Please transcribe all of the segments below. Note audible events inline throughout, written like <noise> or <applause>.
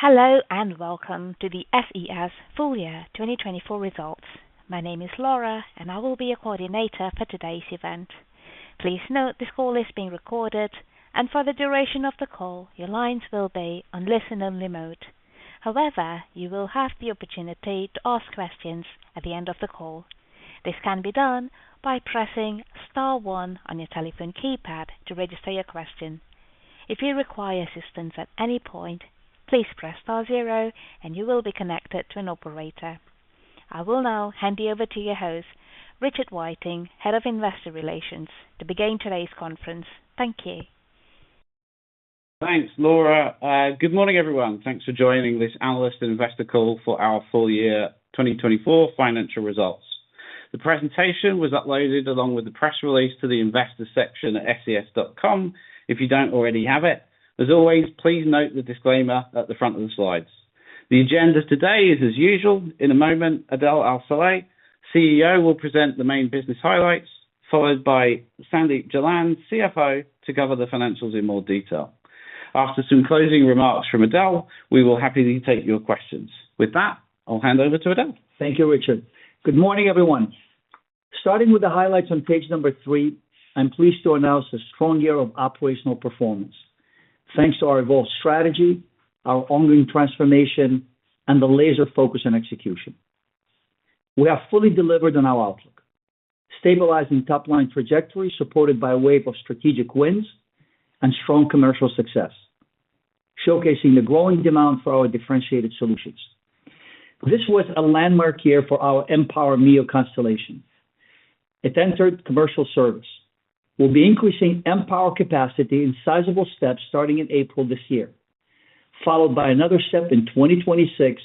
Hello and welcome to the SES Full Year 2024 Results. My name is Laura, and I will be your coordinator for today's event. Please note this call is being recorded, and for the duration of the call, your lines will be on listen-only mode. However, you will have the opportunity to ask questions at the end of the call. This can be done by pressing star one on your telephone keypad to register your question. If you require assistance at any point, please press star zero, and you will be connected to an operator. I will now hand you over to your host, Richard Whiting, Head of Investor Relations, to begin today's conference. Thank you. Thanks, Laura. Good morning, everyone. Thanks for joining this Analyst and Investor Call for our Full Year 2024 Financial Results. The presentation was uploaded along with the press release to the investor section at ses.com if you don't already have it. As always, please note the disclaimer at the front of the slides. The agenda today is, as usual, in a moment, Adel Al-Saleh, CEO, will present the main business highlights, followed by Sandeep Jalan, CFO, to cover the financials in more detail. After some closing remarks from Adel, we will happily take your questions. With that, I'll hand over to Adel. Thank you, Richard. Good morning, everyone. Starting with the highlights on page number three, I'm pleased to announce a strong year of operational performance, thanks to our evolved strategy, our ongoing transformation, and the laser focus on execution. We have fully delivered on our outlook, stabilizing top-line trajectory supported by a wave of strategic wins and strong commercial success, showcasing the growing demand for our differentiated solutions. This was a landmark year for our mPOWER MEO constellation. It entered commercial service. We'll be increasing mPOWER capacity in sizable steps starting in April this year, followed by another step in 2026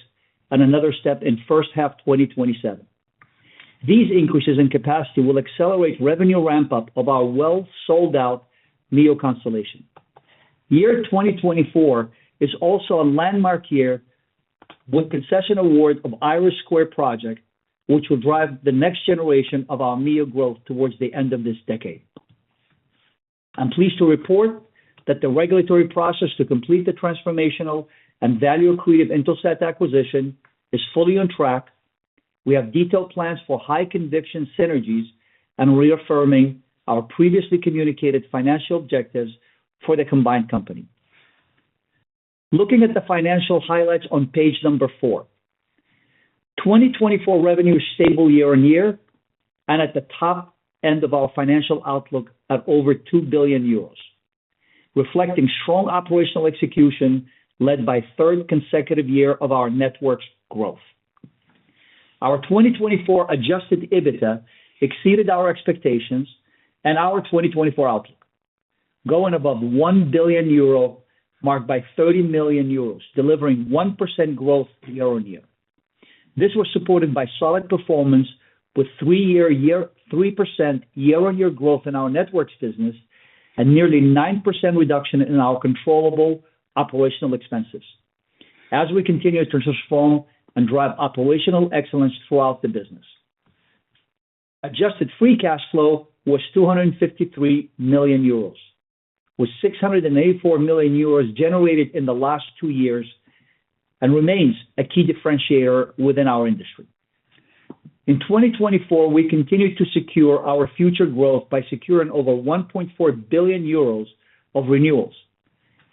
and another step in first half 2027. These increases in capacity will accelerate revenue ramp-up of our well sold-out MEO constellation. Year 2024 is also a landmark year with concession award of IRIS² Project, which will drive the next generation of our MEO growth towards the end of this decade. I'm pleased to report that the regulatory process to complete the transformational and value-creative Intelsat acquisition is fully on track. We have detailed plans for high-conviction synergies and reaffirming our previously communicated financial objectives for the combined company. Looking at the financial highlights on page number four, 2024 revenue is stable year on year, and at the top end of our financial outlook at over 2 billion euros, reflecting strong operational execution led by the third consecutive year of our network's growth. Our 2024 adjusted EBITDA exceeded our expectations and our 2024 outlook, going above 1 billion euro, marked by 30 million euros, delivering 1% growth year on year. This was supported by solid performance with three-year 3% year-on-year growth in our networks business and nearly 9% reduction in our controllable operational expenses as we continue to transform and drive operational excellence throughout the business. Adjusted free cash flow was 253 million euros, with 684 million euros generated in the last two years and remains a key differentiator within our industry. In 2024, we continued to secure our future growth by securing over 1.4 billion euros of renewals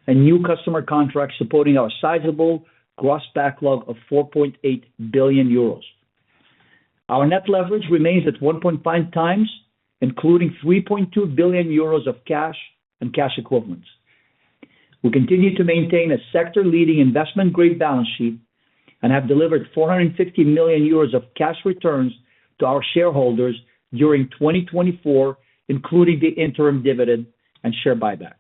and new customer contracts supporting our sizable gross backlog of 4.8 billion euros. Our net leverage remains at 1.5 times, including 3.2 billion euros of cash and cash equivalents. We continue to maintain a sector-leading investment-grade balance sheet and have delivered 450 million euros of cash returns to our shareholders during 2024, including the interim dividend and share buyback.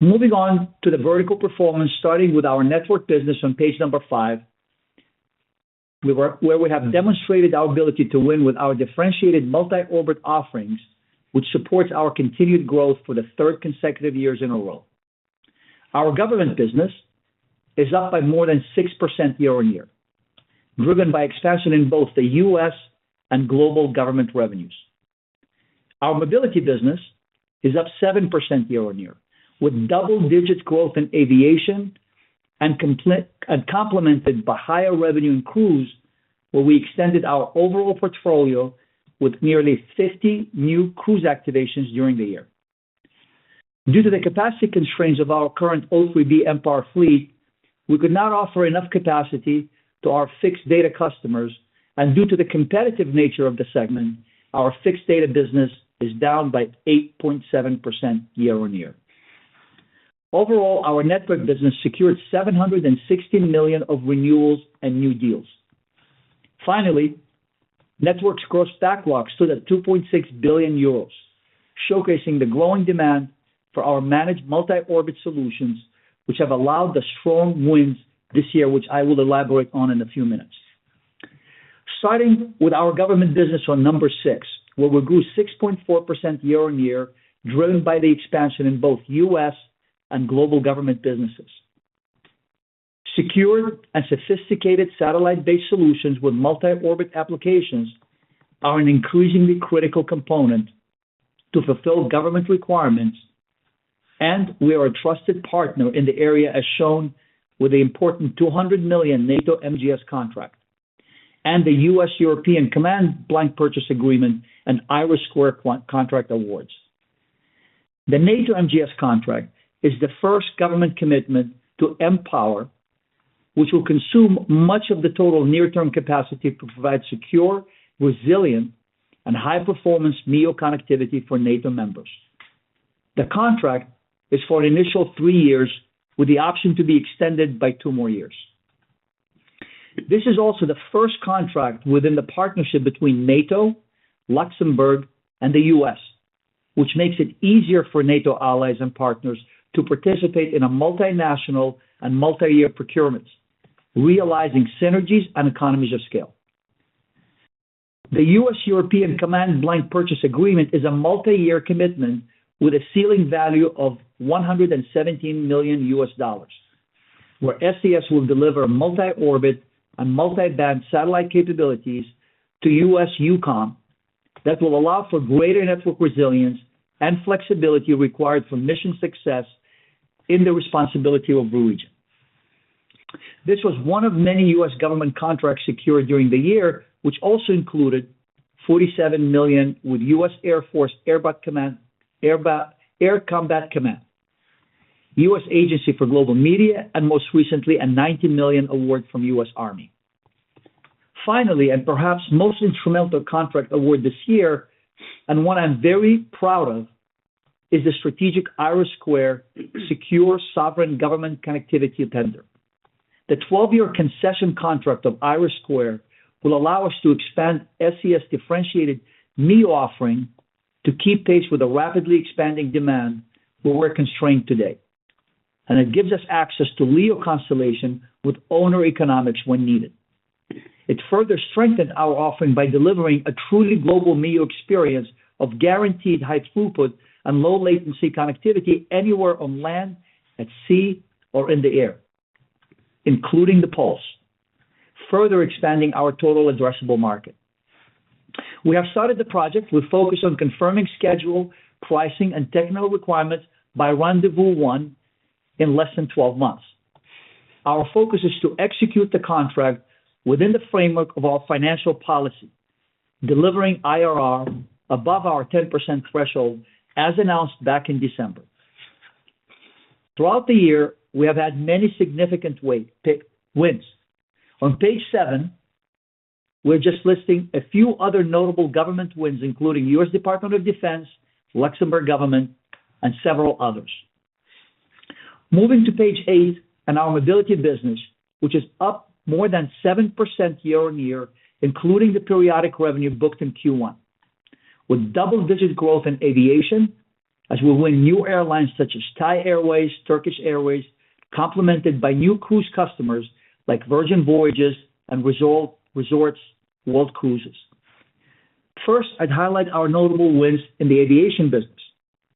Moving on to the vertical performance, starting with our network business on page number five, where we have demonstrated our ability to win with our differentiated multi-orbit offerings, which supports our continued growth for the third consecutive years in a row. Our government business is up by more than 6% year on year, driven by expansion in both the U.S. and global government revenues. Our Mobility business is up 7% year on year, with double-digit growth in aviation and complemented by higher revenue in cruise, where we extended our overall portfolio with nearly 50 new cruise activations during the year. Due to the capacity constraints of our current O3b mPOWER fleet, we could not offer enough capacity to our fixed data customers, and due to the competitive nature of the segment, our fixed data business is down by 8.7% year on year. Overall, our network business secured €760 million of renewals and new deals. Finally, network's gross backlog stood at €2.6 billion, showcasing the growing demand for our managed multi-orbit solutions, which have allowed the strong wins this year, which I will elaborate on in a few minutes. Starting with our government business on number six, where we grew 6.4% year on year, driven by the expansion in both U.S. and global government businesses. Secured and sophisticated satellite-based solutions with multi-orbit applications are an increasingly critical component to fulfill government requirements, and we are a trusted partner in the area, as shown with the important 200 million NATO MGS contract and the U.S. European Command blanket purchase agreement and IRIS² contract awards. The NATO MGS contract is the first government commitment to mPOWER, which will consume much of the total near-term capacity to provide secure, resilient, and high-performance MEO connectivity for NATO members. The contract is for an initial three years, with the option to be extended by two more years. This is also the first contract within the partnership between NATO, Luxembourg, and the U.S., which makes it easier for NATO allies and partners to participate in multinational and multi-year procurements, realizing synergies and economies of scale. The U.S. European Command blanket purchase agreement is a multi-year commitment with a ceiling value of $117 million, where SES will deliver multi-orbit and multi-band satellite capabilities to U.S. EUCOM that will allow for greater network resilience and flexibility required for mission success in the responsibility of Blue Ridge. This was one of many U.S. government contracts secured during the year, which also included $47 million with U.S. Air Force Air Combat Command, U.S. Agency for Global Media, and most recently, a $90 million award from U.S. Army. Finally, and perhaps the most instrumental contract award this year, and one I'm very proud of, is the strategic IRIS² Secure Sovereign Government Connectivity tender. The 12-year concession contract of IRIS² will allow us to expand SES differentiated MEO offering to keep pace with the rapidly expanding demand where we're constrained today, and it gives us access to LEO Constellation with owner economics when needed. It further strengthens our offering by delivering a truly global MEO experience of guaranteed high throughput and low-latency connectivity anywhere on land, at sea, or in the air, including the poles, further expanding our total addressable market. We have started the project with a focus on confirming schedule, pricing, and technical requirements by rendezvous one in less than 12 months. Our focus is to execute the contract within the framework of our financial policy, delivering IRR above our 10% threshold as announced back in December. Throughout the year, we have had many significant wins. On page seven, we're just listing a few other notable government wins, including U.S. Department of Defense, Luxembourg Government, and several others. Moving to page eight, our Mobility business, which is up more than 7% year on year, including the periodic revenue booked in Q1, with double-digit growth in aviation as we win new airlines such as Thai Airways, Turkish Airways, complemented by new cruise customers like Virgin Voyages and Resorts World Cruises. First, I'd highlight our notable wins in the aviation business,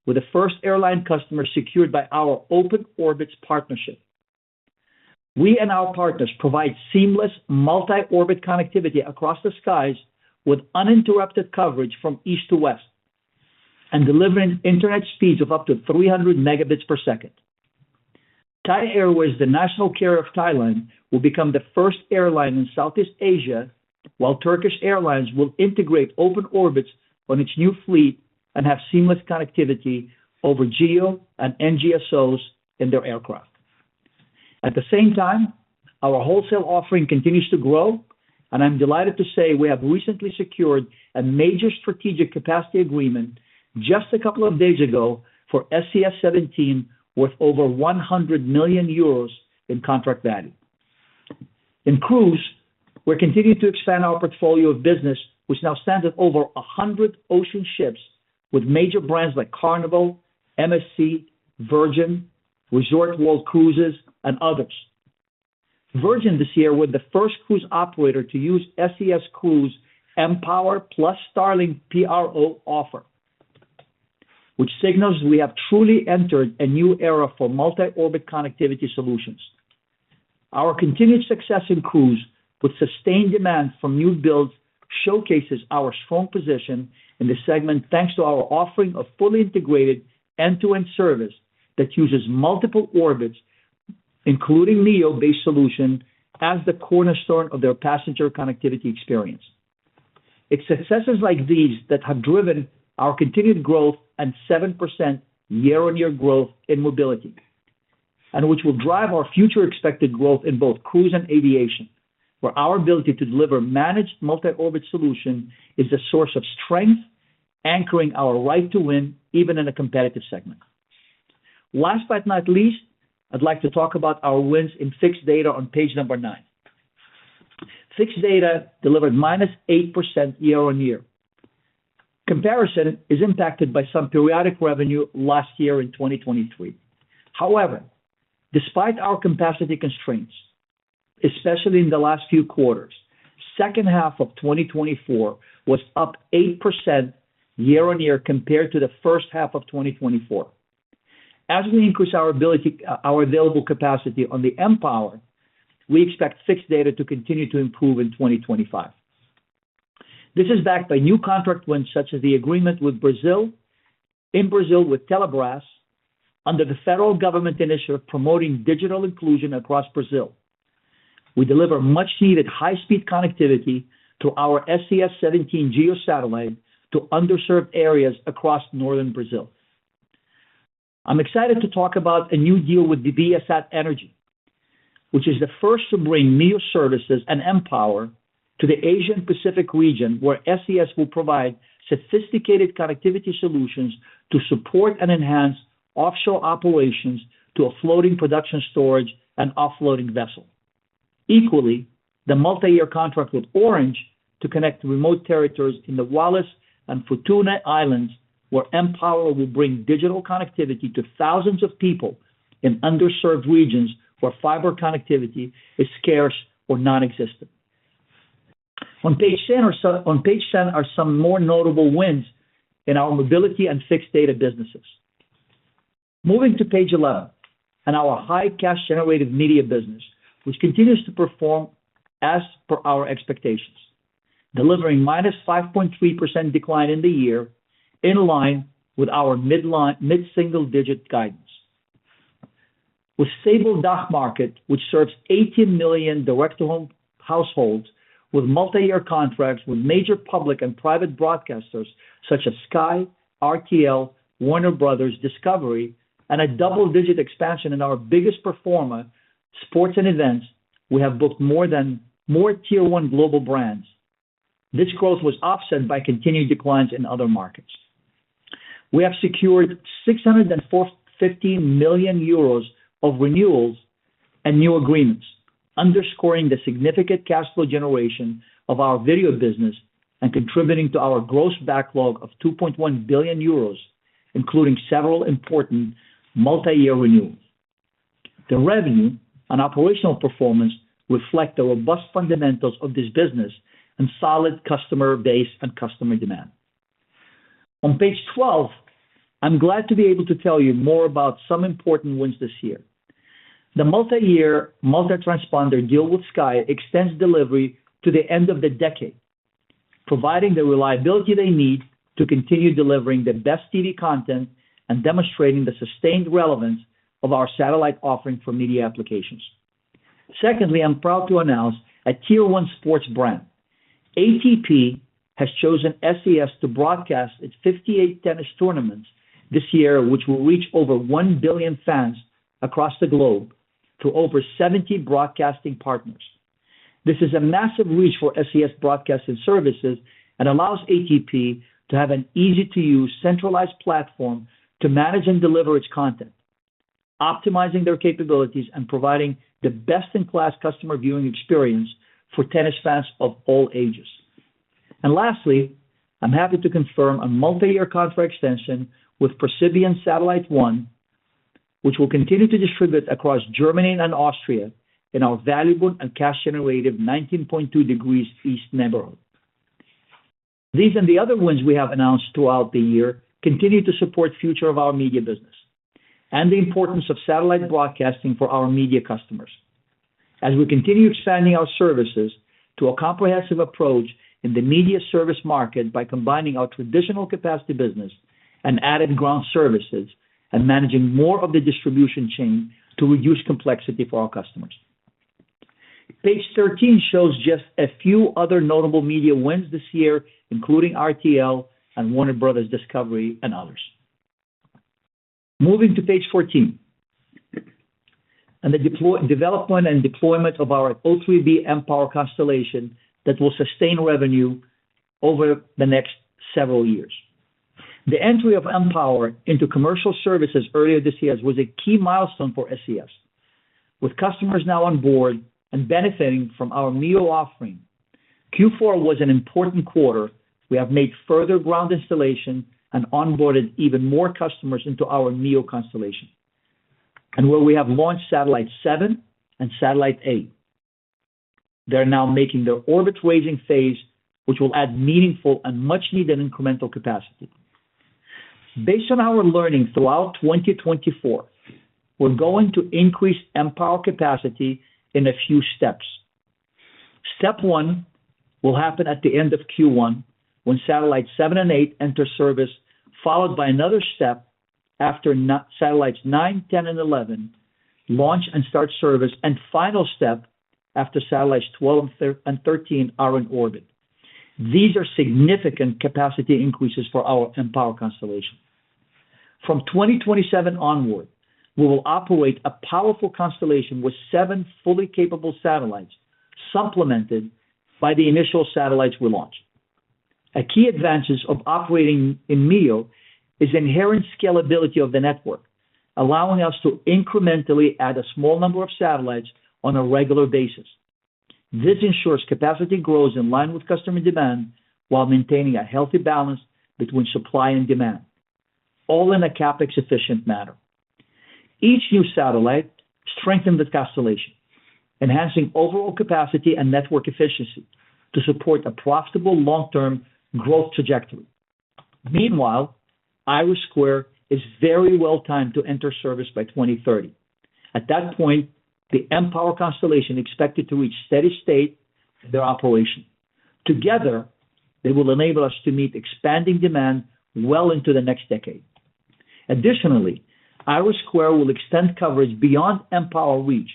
with the first airline customer secured by our Open Orbits partnership. We and our partners provide seamless multi-orbit connectivity across the skies with uninterrupted coverage from east to west and delivering internet speeds of up to 300 megabits per second. Thai Airways, the national carrier of Thailand, will become the first airline in Southeast Asia, while Turkish Airlines will integrate Open Orbits on its new fleet and have seamless connectivity over geo and NGSOs in their aircraft. At the same time, our wholesale offering continues to grow, and I'm delighted to say we have recently secured a major strategic capacity agreement just a couple of days ago for SES-17, worth over €100 million in contract value. In cruise, we're continuing to expand our portfolio of business, which now stands at over 100 ocean ships with major brands like Carnival, MSC, Virgin, Resorts World Cruises, and others. Virgin, this year, was the first cruise operator to use SES Cruise mPOWER plus Starlink Pro offer, which signals we have truly entered a new era for multi-orbit connectivity solutions. Our continued success in cruise with sustained demand from new builds showcases our strong position in the segment, thanks to our offering of fully integrated end-to-end service that uses multiple orbits, including MEO-based solutions, as the cornerstone of their passenger connectivity experience. It's successes like these that have driven our continued growth and 7% year-on-year growth in Mobility, and which will drive our future expected growth in both cruise and aviation, where our ability to deliver managed multi-orbit solutions is a source of strength, anchoring our right to win even in a competitive segment. Last but not least, I'd like to talk about our wins in fixed data on page number nine. Fixed data delivered -8% year on year. Comparison is impacted by some periodic revenue last year, in 2023. However, despite our capacity constraints, especially in the last few quarters, the second half of 2024 was up 8% year-on-year compared to the first half of 2024. As we increase our available capacity on the mPOWER, we expect fixed data to continue to improve in 2025. This is backed by new contract wins such as the agreement with Brazil in Brazil with Telebras under the federal government initiative promoting digital inclusion across Brazil. We deliver much-needed high-speed connectivity to our SES-17 GEO satellite to underserved areas across northern Brazil. I'm excited to talk about a new deal with Viasat Energy, which is the first to bring MEO services and mPOWER to the Asia-Pacific region, where SES will provide sophisticated connectivity solutions to support and enhance offshore operations to a floating production storage and offloading vessel. Equally, the multi-year contract with Orange to connect remote territories in the Wallis and Futuna Islands, where mPOWER will bring digital connectivity to thousands of people in underserved regions where fiber connectivity is scarce or non-existent. On page ten are some more notable wins in our Mobility and fixed data businesses. Moving to page 11, our high cash-generated Media business, which continues to perform as per our expectations, delivering minus 5.3% decline in the year in line with our mid-single-digit guidance. With stable DACH market, which serves 18 million direct-to-home households with multi-year contracts with major public and private broadcasters such as Sky, RTL, Warner Bros. Discovery, and a double-digit expansion in our biggest performer, sports and events, we have booked more than tier-one global brands. This growth was offset by continued declines in other markets. We have secured €615 million of renewals and new agreements, underscoring the significant cash flow generation of our video business and contributing to our gross backlog of €2.1 billion, including several important multi-year renewals. The revenue and operational performance reflect the robust fundamentals of this business and solid customer base and customer demand. On page 12, I'm glad to be able to tell you more about some important wins this year. The multi-year multi-transponder deal with Sky extends delivery to the end of the decade, providing the reliability they need to continue delivering the best TV content and demonstrating the sustained relevance of our satellite offering for Media applications. Secondly, I'm proud to announce a tier-one sports brand. ATP has chosen SES to broadcast its 58 tennis tournaments this year, which will reach over 1 billion fans across the globe to over 70 broadcasting partners. This is a massive reach for SES broadcasting services and allows ATP to have an easy-to-use centralized platform to manage and deliver its content, optimizing their capabilities and providing the best-in-class customer viewing experience for tennis fans of all ages. And lastly, I'm happy to confirm a multi-year contract extension with ProSiebenSat.1 Media SE, which will continue to distribute across Germany and Austria in our valuable and cash-generative 19.2 Degrees East neighborhood. These and the other wins we have announced throughout the year continue to support the future of our Media business and the importance of satellite broadcasting for our Media customers as we continue expanding our services to a comprehensive approach in the Media service market by combining our traditional capacity business and added ground services and managing more of the distribution chain to reduce complexity for our customers. Page 13 shows just a few other notable Media wins this year, including RTL and Warner Bros. Discovery and others. Moving to page 14, the development and deployment of our O3b mPOWER constellation that will sustain revenue over the next several years. The entry of mPOWER into commercial services earlier this year was a key milestone for SES. With customers now on board and benefiting from our MEO offering, Q4 was an important quarter. We have made further ground installation and onboarded even more customers into our MEO constellation, and where we have launched Satellite 7 and Satellite 8. They're now making their orbit-raising phase, which will add meaningful and much-needed incremental capacity. Based on our learning throughout 2024, we're going to increase mPOWER capacity in a few steps. Step one will happen at the end of Q1 when Satellite 7 and 8 enter service, followed by another step after Satellites 9, 10, and 11 launch and start service, and the final step after Satellites 12 and 13 are in orbit. These are significant capacity increases for our mPOWER Constellation. From 2027 onward, we will operate a powerful constellation with seven fully capable satellites supplemented by the initial satellites we launched. A key advantage of operating in MEO is inherent scalability of the network, allowing us to incrementally add a small number of satellites on a regular basis. This ensures capacity grows in line with customer demand while maintaining a healthy balance between supply and demand, all in a CapEx-efficient manner. Each new satellite strengthens the constellation, enhancing overall capacity and network efficiency to support a profitable long-term growth trajectory. Meanwhile, IRIS² is very well timed to enter service by 2030. At that point, the mPOWER Constellation is expected to reach steady state in their operation. Together, they will enable us to meet expanding demand well into the next decade. Additionally, IRIS² will extend coverage beyond mPOWER reach,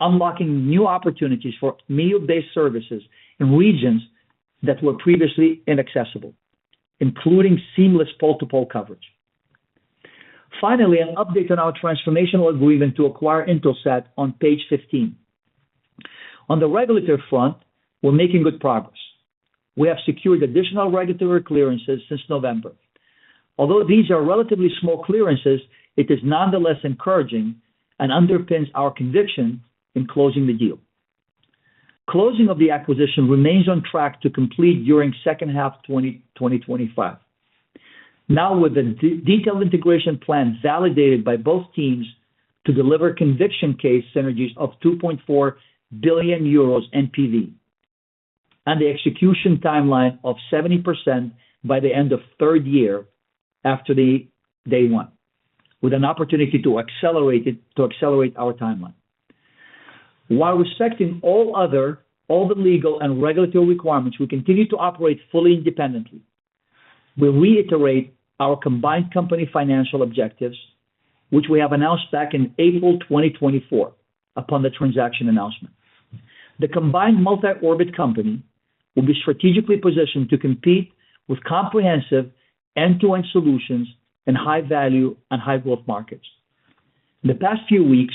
unlocking new opportunities for MEO-based services in regions that were previously inaccessible, including seamless pole-to-pole coverage. Finally, an update on our transformational agreement to acquire Intelsat on page 15. On the regulatory front, we're making good progress. We have secured additional regulatory clearances since November. Although these are relatively small clearances, it is nonetheless encouraging and underpins our conviction in closing the deal. Closing of the acquisition remains on track to complete during the second half of 2025, now with a detailed integration plan validated by both teams to deliver conviction case synergies of 2.4 billion euros NPV and the execution timeline of 70% by the end of the third year after day one, with an opportunity to accelerate our timeline. While respecting all the legal and regulatory requirements, we continue to operate fully independently. We reiterate our combined company financial objectives, which we have announced back in April 2024 upon the transaction announcement. The combined multi-orbit company will be strategically positioned to compete with comprehensive end-to-end solutions in high-value and high-growth markets. In the past few weeks,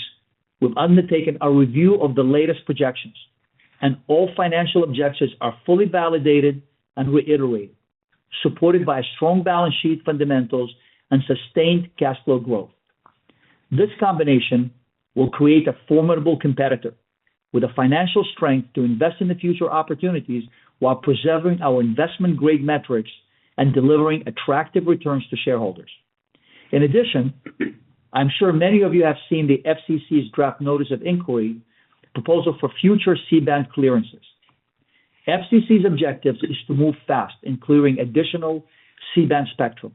we've undertaken a review of the latest projections, and all financial objectives are fully validated and reiterated, supported by strong balance sheet fundamentals and sustained cash flow growth. This combination will create a formidable competitor with the financial strength to invest in the future opportunities while preserving our investment-grade metrics and delivering attractive returns to shareholders. In addition, I'm sure many of you have seen the FCC's draft notice of inquiry proposal for future C-band clearances. FCC's objectives are to move fast, including additional C-band spectrum.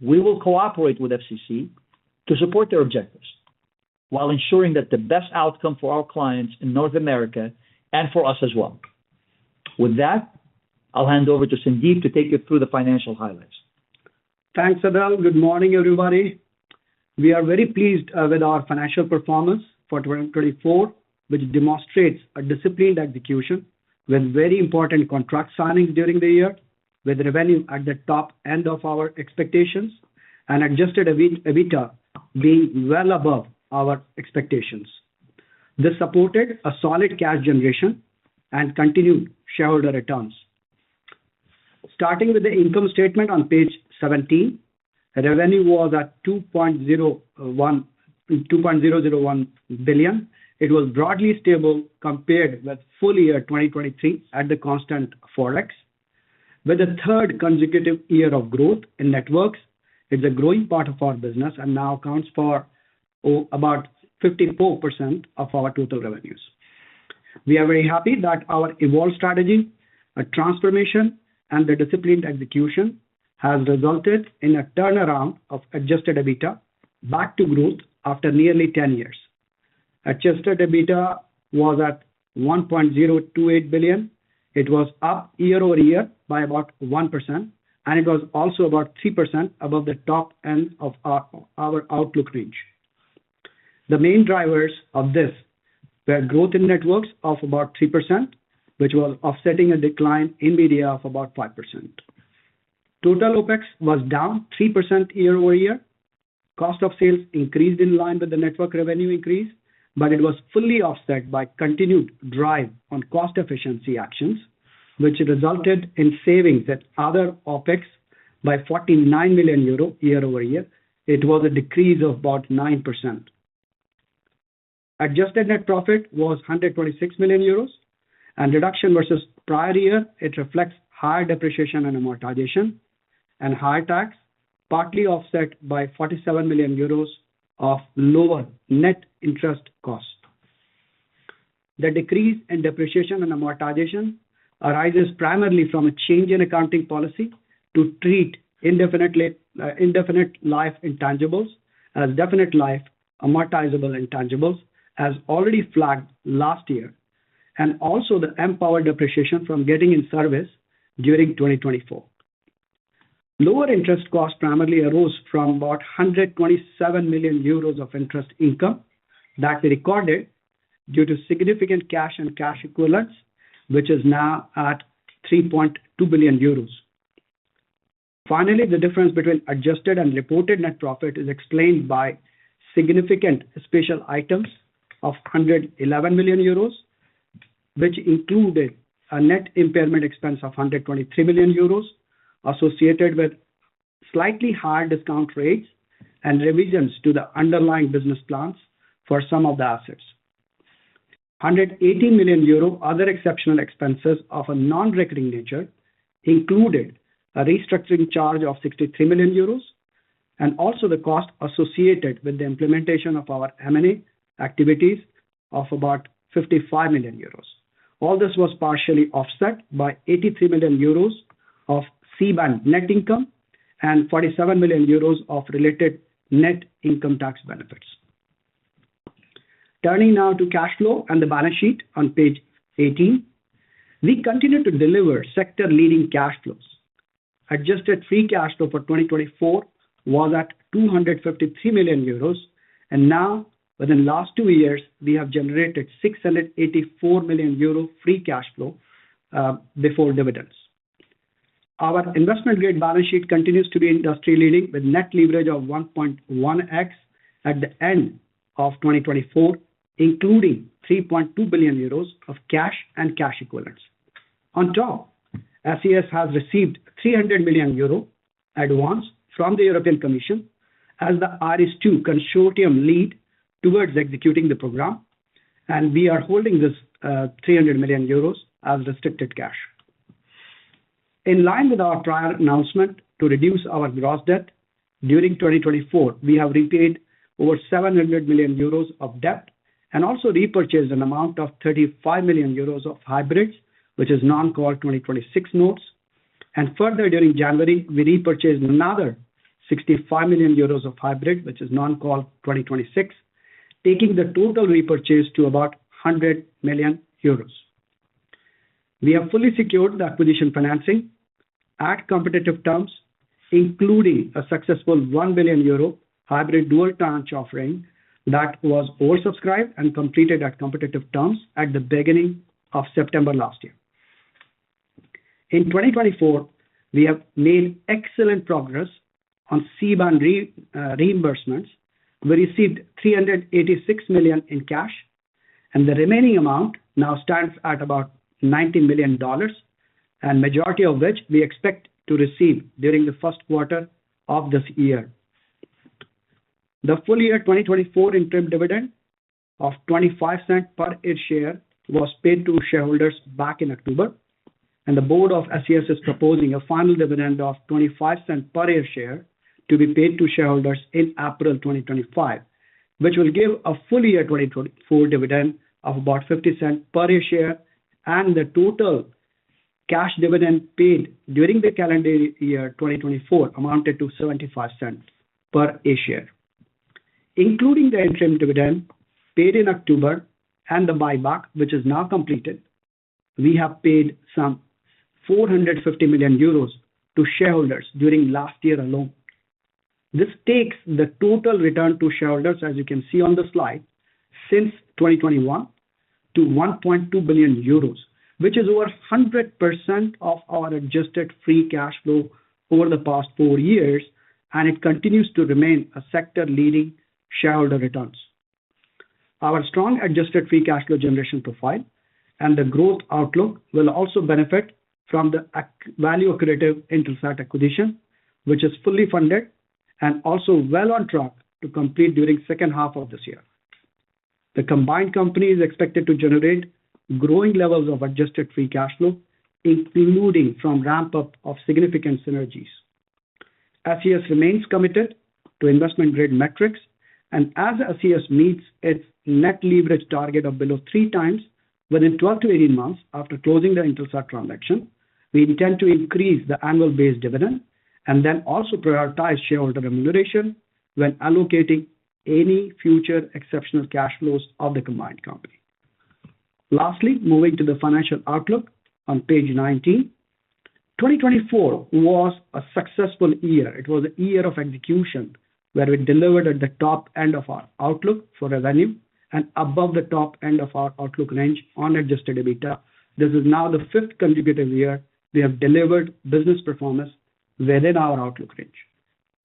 We will cooperate with FCC to support their objectives while ensuring the best outcome for our clients in North America and for us as well. With that, I'll hand over to Sandeep to take you through the financial highlights. Thanks, Adel. Good morning, everybody. We are very pleased with our financial performance for 2024, which demonstrates a disciplined execution with very important contract signings during the year, with revenue at the top end of our expectations and adjusted EBITDA being well above our expectations. This supported solid cash generation and continued shareholder returns. Starting with the income statement on page 17, revenue was at €2.001 billion. It was broadly stable compared with full year 2023 at the constant FX, with the third consecutive year of growth in networks. It's a growing part of our business and now accounts for about 54% of our total revenues. We are very happy that our evolved strategy, transformation, and the disciplined execution have resulted in a turnaround of adjusted EBITDA back to growth after nearly 10 years. Adjusted EBITDA was at €1.028 billion. It was up year over year by about 1%, and it was also about 3% above the top end of our outlook range. The main drivers of this were growth in networks of about 3%, which was offsetting a decline in Media of about 5%. Total OPEX was down 3% year over year. Cost of sales increased in line with the network revenue increase, but it was fully offset by continued drive on cost efficiency actions, which resulted in savings at other OpEx by €49 million year over year. It was a decrease of about 9%. Adjusted net profit was €126 million, and reduction versus prior year, it reflects higher depreciation and amortization and higher tax, partly offset by €47 million of lower net interest cost. The decrease in depreciation and amortization arises primarily from a change in accounting policy to treat indefinite life intangibles as definite life amortizable intangibles, as already flagged last year, and also the mPOWER depreciation from getting in service during 2024. Lower interest cost primarily arose from about €127 million of interest income that we recorded due to significant cash and cash equivalents, which is now at €3.2 billion. Finally, the difference between adjusted and reported net profit is explained by significant special items of €111 million, which included a net impairment expense of €123 million associated with slightly higher discount rates and revisions to the underlying business plans for some of the assets. €118 million other exceptional expenses of a non-recurring nature included a restructuring charge of €63 million and also the cost associated with the implementation of our M&A activities of about €55 million. All this was partially offset by €83 million of C-band net income and €47 million of related net income tax benefits. Turning now to cash flow and the balance sheet on page 18, we continue to deliver sector-leading cash flows. Adjusted free cash flow for 2024 was at €253 million, and now, within the last two years, we have generated €684 million free cash flow before dividends. Our investment-grade balance sheet continues to be industry-leading with net leverage of 1.1x at the end of 2024, including 3.2 billion euros of cash and cash equivalents. On top, SES has received 300 million euro advance from the European Commission as the IRIS² consortium lead towards executing the program, and we are holding this 300 million euros as restricted cash. In line with our prior announcement to reduce our gross debt during 2024, we have repaid over 700 million euros of debt and also repurchased an amount of 35 million euros of hybrids, which is non-call 2026 notes. Further, during January, we repurchased another 65 million euros of hybrid, which is non-call 2026, taking the total repurchase to about 100 million euros. We have fully secured the acquisition financing at competitive terms, including a successful 1 billion euro hybrid dual-tranche offering that was oversubscribed and completed at competitive terms at the beginning of September last year. In 2024, we have made excellent progress on C-band reimbursements. We received € 386 million in cash, and the remaining amount now stands at about $90 million, the majority of which we expect to receive during the Q1 of this year. The full year 2024 interim dividend of 25 cents per share was paid to shareholders back in October, and the board of SES is proposing a final dividend of 25 cents per share to be paid to shareholders in April 2025, which will give a full year 2024 dividend of about 50 cents per share, and the total cash dividend paid during the calendar year 2024 amounted to 75 cents per share. Including the interim dividend paid in October and the buyback, which is now completed, we have paid some € 450 million to shareholders during last year alone. This takes the total return to shareholders, as you can see on the slide since 2021, to 1.2 billion euros, which is over 100% of our adjusted free cash flow over the past four years, and it continues to remain a sector-leading shareholder returns. Our strong adjusted free cash flow generation profile and the growth outlook will also benefit from the value-accretive Intelsat acquisition, which is fully funded and also well on track to complete during the second half of this year. The combined company is expected to generate growing levels of adjusted free cash flow, including from ramp-up of significant synergies. SES remains committed to investment-grade metrics, and as SES meets its net leverage target of below three times within 12 to 18 months after closing the Intelsat transaction, we intend to increase the annual base dividend and then also prioritize shareholder remuneration when allocating any future exceptional cash flows of the combined company. Lastly, moving to the financial outlook on page 19, 2024 was a successful year. It was a year of execution where we delivered at the top end of our outlook for revenue and above the top end of our outlook range on adjusted EBITDA. This is now the fifth consecutive year we have delivered business performance within our outlook range.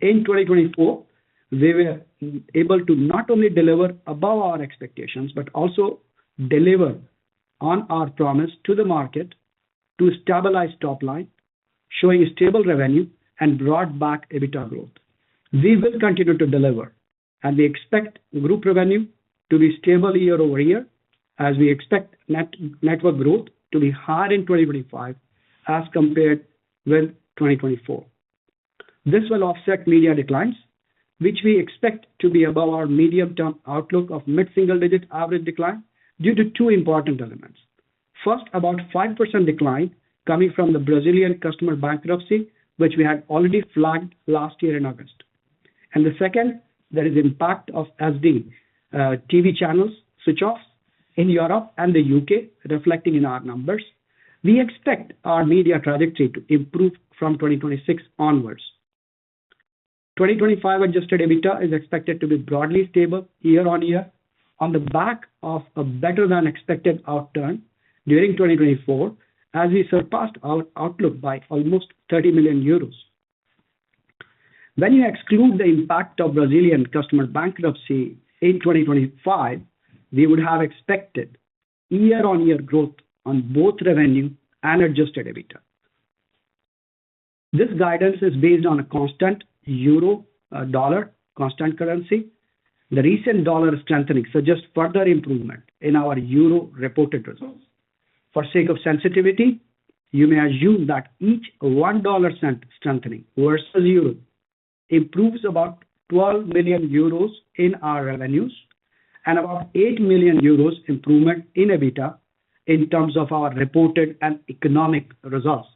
In 2024, we were able to not only deliver above our expectations but also deliver on our promise to the market to stabilize top line, showing stable revenue and broad-based EBITDA growth. We will continue to deliver, and we expect group revenue to be stable year over year, as we expect network growth to be higher in 2025 as compared with 2024. This will offset Media declines, which we expect to be above our medium-term outlook of mid-single-digit average decline due to two important elements. First, about 5% decline coming from the Brazilian customer bankruptcy, which we had already flagged last year in August. And the second, there is the impact of SD TV channels switch-offs in Europe and the U.K., reflecting in our numbers. We expect our Media trajectory to improve from 2026 onwards. 2025 adjusted EBITDA is expected to be broadly stable year on year on the back of a better-than-expected outturn during 2024, as we surpassed our outlook by almost 30 million euros. When you exclude the impact of Brazilian customer bankruptcy in 2025, we would have expected year-on-year growth on both revenue and adjusted EBITDA. This guidance is based on a constant euro-dollar constant currency. The recent dollar strengthening suggests further improvement in our euro reported results. For sake of sensitivity, you may assume that each $0.01 strengthening versus euro improves about €12 million in our revenues and about €8 million improvement in EBITDA in terms of our reported and economic results.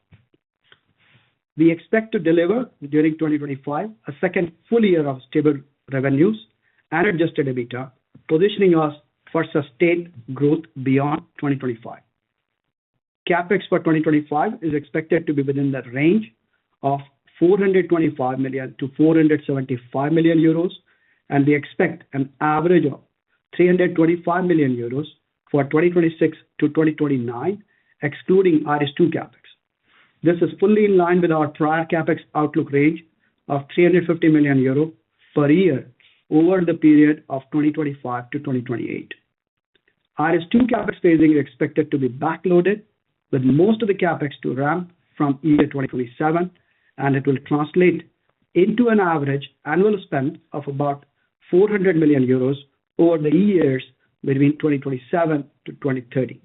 We expect to deliver during 2025 a second full year of stable revenues and adjusted EBITDA, positioning us for sustained growth beyond 2025. CapEx for 2025 is expected to be within the range of €425 million-€475 million, and we expect an average of €325 million for 2026 to 2029, excluding IRIS² CapEx. This is fully in line with our prior CapEx outlook range of €350 million per year over the period of 2025 to 2028. IRIS² CapEx phasing is expected to be backloaded, with most of the CapEx to ramp from year 2027, and it will translate into an average annual spend of about €400 million over the years between 2027 to 2030.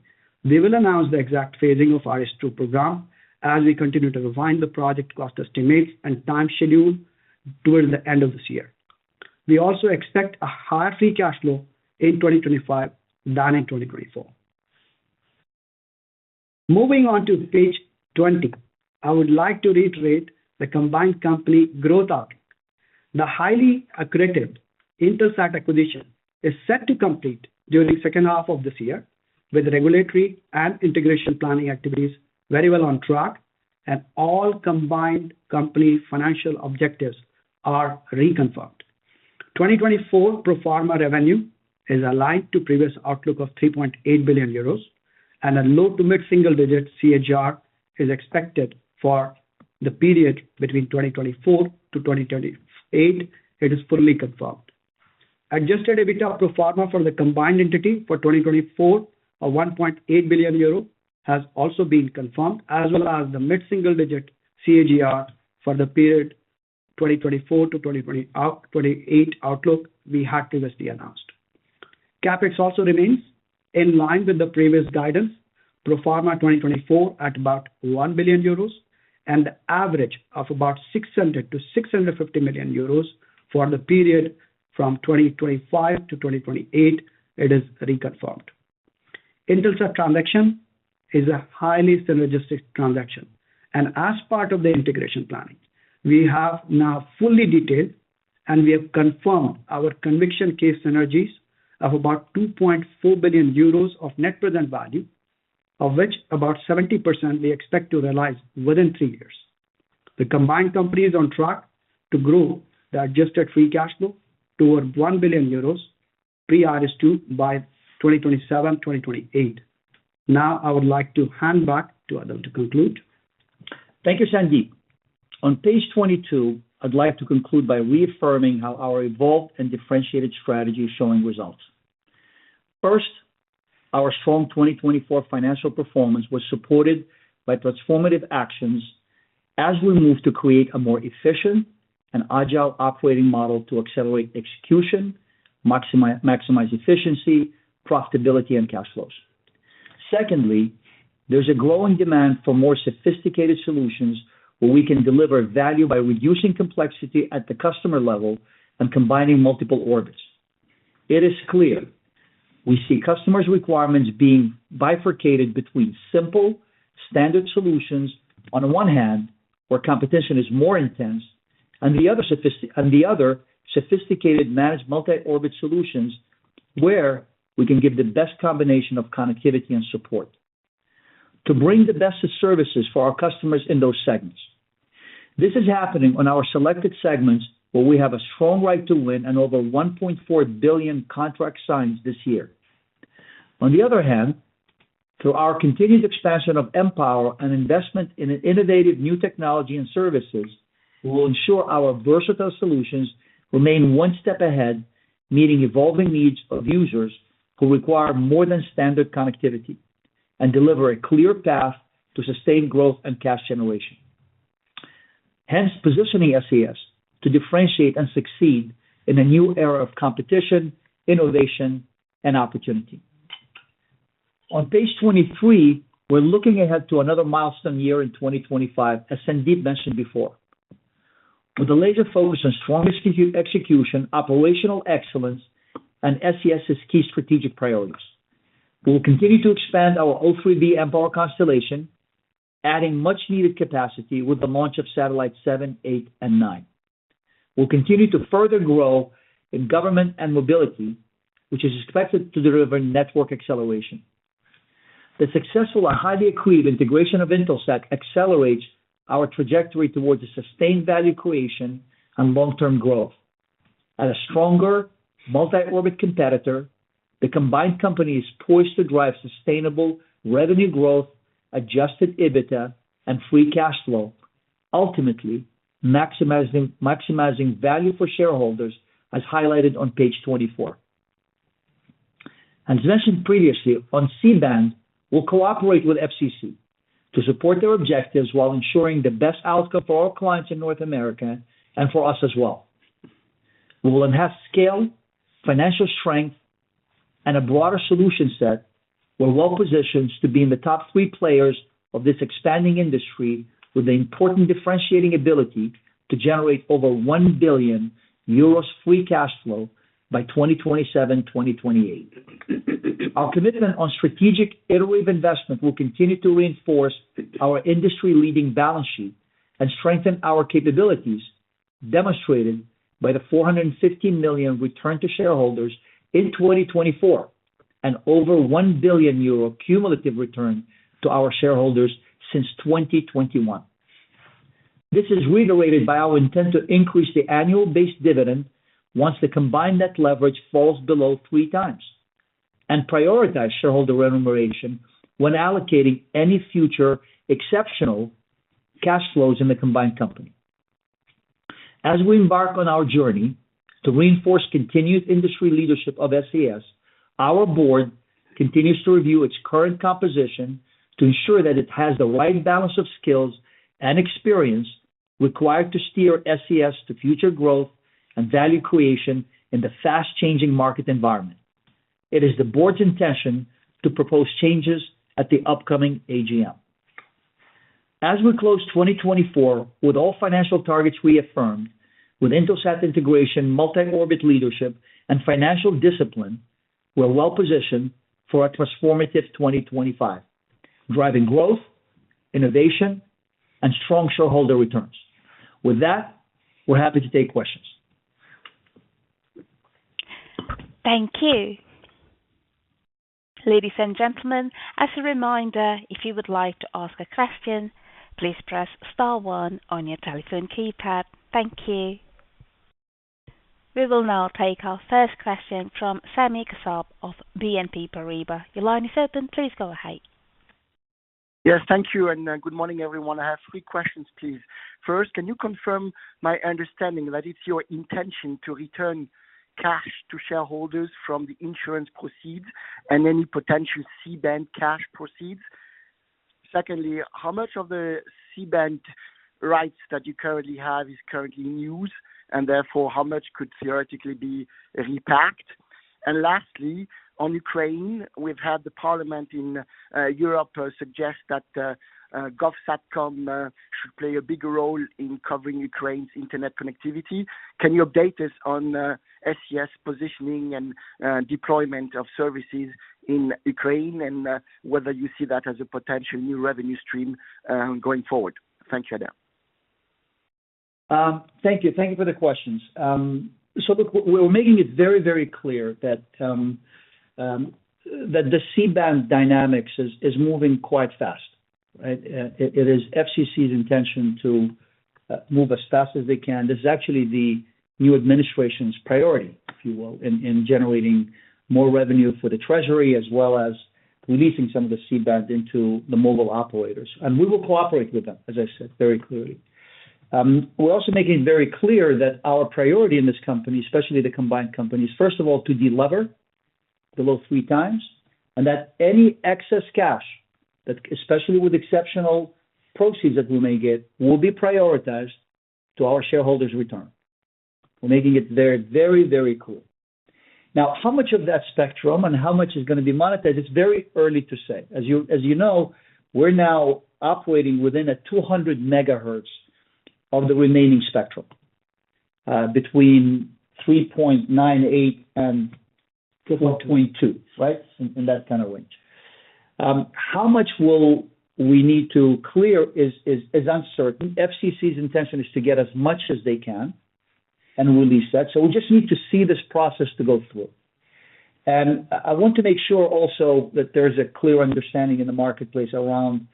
We will announce the exact phasing of IRIS² program as we continue to refine the project cost estimates and time schedule towards the end of this year. We also expect a higher free cash flow in 2025 than in 2024. Moving on to page 20, I would like to reiterate the combined company growth outlook. The highly accretive Intelsat acquisition is set to complete during the second half of this year, with regulatory and integration planning activities very well on track, and all combined company financial objectives are reconfirmed. 2024 pro forma revenue is aligned to previous outlook of € 3.8 billion, and a low to mid-single-digit CAGR is expected for the period between 2024 to 2028. It is fully confirmed. Adjusted EBITDA pro forma for the combined entity for 2024 of € 1.8 billion has also been confirmed, as well as the mid-single-digit CAGR for the period 2024 to 2028 outlook we had previously announced. CapEx also remains in line with the previous guidance. Pro forma 2024 at about € 1 billion and the average of about €600 to €650 million for the period from 2025 to 2028, it is reconfirmed. Intelsat transaction is a highly synergistic transaction, and as part of the integration planning, we have now fully detailed and we have confirmed our conviction case synergies of about 2.4 billion euros of net present value, of which about 70% we expect to realize within three years. The combined company is on track to grow the adjusted free cash flow to over 1 billion euros pre-IRIS II by 2027-2028. Now, I would like to hand back to Adel to conclude. Thank you, Sandeep. On page 22, I'd like to conclude by reaffirming how our evolved and differentiated strategy is showing results. First, our strong 2024 financial performance was supported by transformative actions as we moved to create a more efficient and agile operating model to accelerate execution, maximize efficiency, profitability, and cash flows. Secondly, there's a growing demand for more sophisticated solutions where we can deliver value by reducing complexity at the customer level and combining multiple orbits. It is clear we see customers' requirements being bifurcated between simple standard solutions on one hand, where competition is more intense, and the other sophisticated managed multi-orbit solutions where we can give the best combination of connectivity and support to bring the best of services for our customers in those segments. This is happening on our selected segments where we have a strong right to win and over 1.4 billion contract signings this year. On the other hand, through our continued expansion of mPOWER and investment in innovative new technology and services, we will ensure our versatile solutions remain one step ahead, meeting evolving needs of users who require more than standard connectivity and deliver a clear path to sustained growth and cash generation. Hence, positioning SES to differentiate and succeed in a new era of competition, innovation, and opportunity. On page 23, we're looking ahead to another milestone year in 2025, as Sandeep mentioned before, with a laser focus on strong execution, operational excellence, and SES's key strategic priorities. We will continue to expand our O3b mPOWER constellation, adding much-needed capacity with the launch of satellites 7, 8, and 9. We'll continue to further grow in government and Mobility, which is expected to deliver network acceleration. The successful and highly accretive integration of Intelsat accelerates our trajectory towards a sustained value creation and long-term growth. As a stronger multi-orbit competitor, the combined company is poised to drive sustainable revenue growth, adjusted EBITDA, and free cash flow, ultimately maximizing value for shareholders, as highlighted on page 24. As mentioned previously, on C-band, we'll cooperate with FCC to support their objectives while ensuring the best outcome for our clients in North America and for us as well. We will enhance scale, financial strength, and a broader solution set. We're well-positioned to be in the top three players of this expanding industry with the important differentiating ability to generate over €1 billion free cash flow by 2027-2028. Our commitment on strategic iterative investment will continue to reinforce our industry-leading balance sheet and strengthen our capabilities, demonstrated by the €450 million return to shareholders in 2024 and over €1 billion cumulative return to our shareholders since 2021. This is reiterated by our intent to increase the annual base dividend once the combined net leverage falls below three times and prioritize shareholder remuneration when allocating any future exceptional cash flows in the combined company. As we embark on our journey to reinforce continued industry leadership of SES, our board continues to review its current composition to ensure that it has the right balance of skills and experience required to steer SES to future growth and value creation in the fast-changing market environment. It is the board's intention to propose changes at the upcoming AGM. As we close 2024 with all financial targets reaffirmed, with Intelsat integration, multi-orbit leadership, and financial discipline, we're well-positioned for a transformative 2025, driving growth, innovation, and strong shareholder returns. With that, we're happy to take questions. Thank you. Ladies and gentlemen, as a reminder, if you would like to ask a question, please press star one on your telephone keypad. Thank you. We will now take our first question from Sami Kassab of BNP Paribas. Your line is open. Please go ahead. Yes, thank you. And good morning, everyone. I have three questions, please. First, can you confirm my understanding that it's your intention to return cash to shareholders from the insurance proceeds and any potential C-band cash proceeds? Secondly, how much of the C-band rights that you currently have is currently in use? And therefore, how much could theoretically be repacked? And lastly, on Ukraine, we've had the Parliament in Europe suggest that GovSatcom should play a bigger role in covering Ukraine's internet connectivity. Can you update us on SES positioning and deployment of services in Ukraine and whether you see that as a potential new revenue stream going forward? Thank you, Adel. Thank you. Thank you for the questions. So look, we're making it very, very clear that the C-band dynamics is moving quite fast, right? It is FCC's intention to move as fast as they can. This is actually the new administration's priority, if you will, in generating more revenue for the Treasury as well as releasing some of the C-band into the mobile operators. We will cooperate with them, as I said, very clearly. We're also making it very clear that our priority in this company, especially the combined companies, first of all, to deliver below three times and that any excess cash, especially with exceptional proceeds that we may get, will be prioritized to our shareholders' return. We're making it very, very, very clear. Now, how much of that spectrum and how much is going to be monetized, it's very early to say. As you know, we're now operating within a 200 megahertz of the remaining spectrum between 3.7 and 4.2, right, in that kind of range. How much we need to clear is uncertain. FCC's intention is to get as much as they can and release that. So we just need to see this process to go through. And I want to make sure also that there's a clear understanding in the marketplace around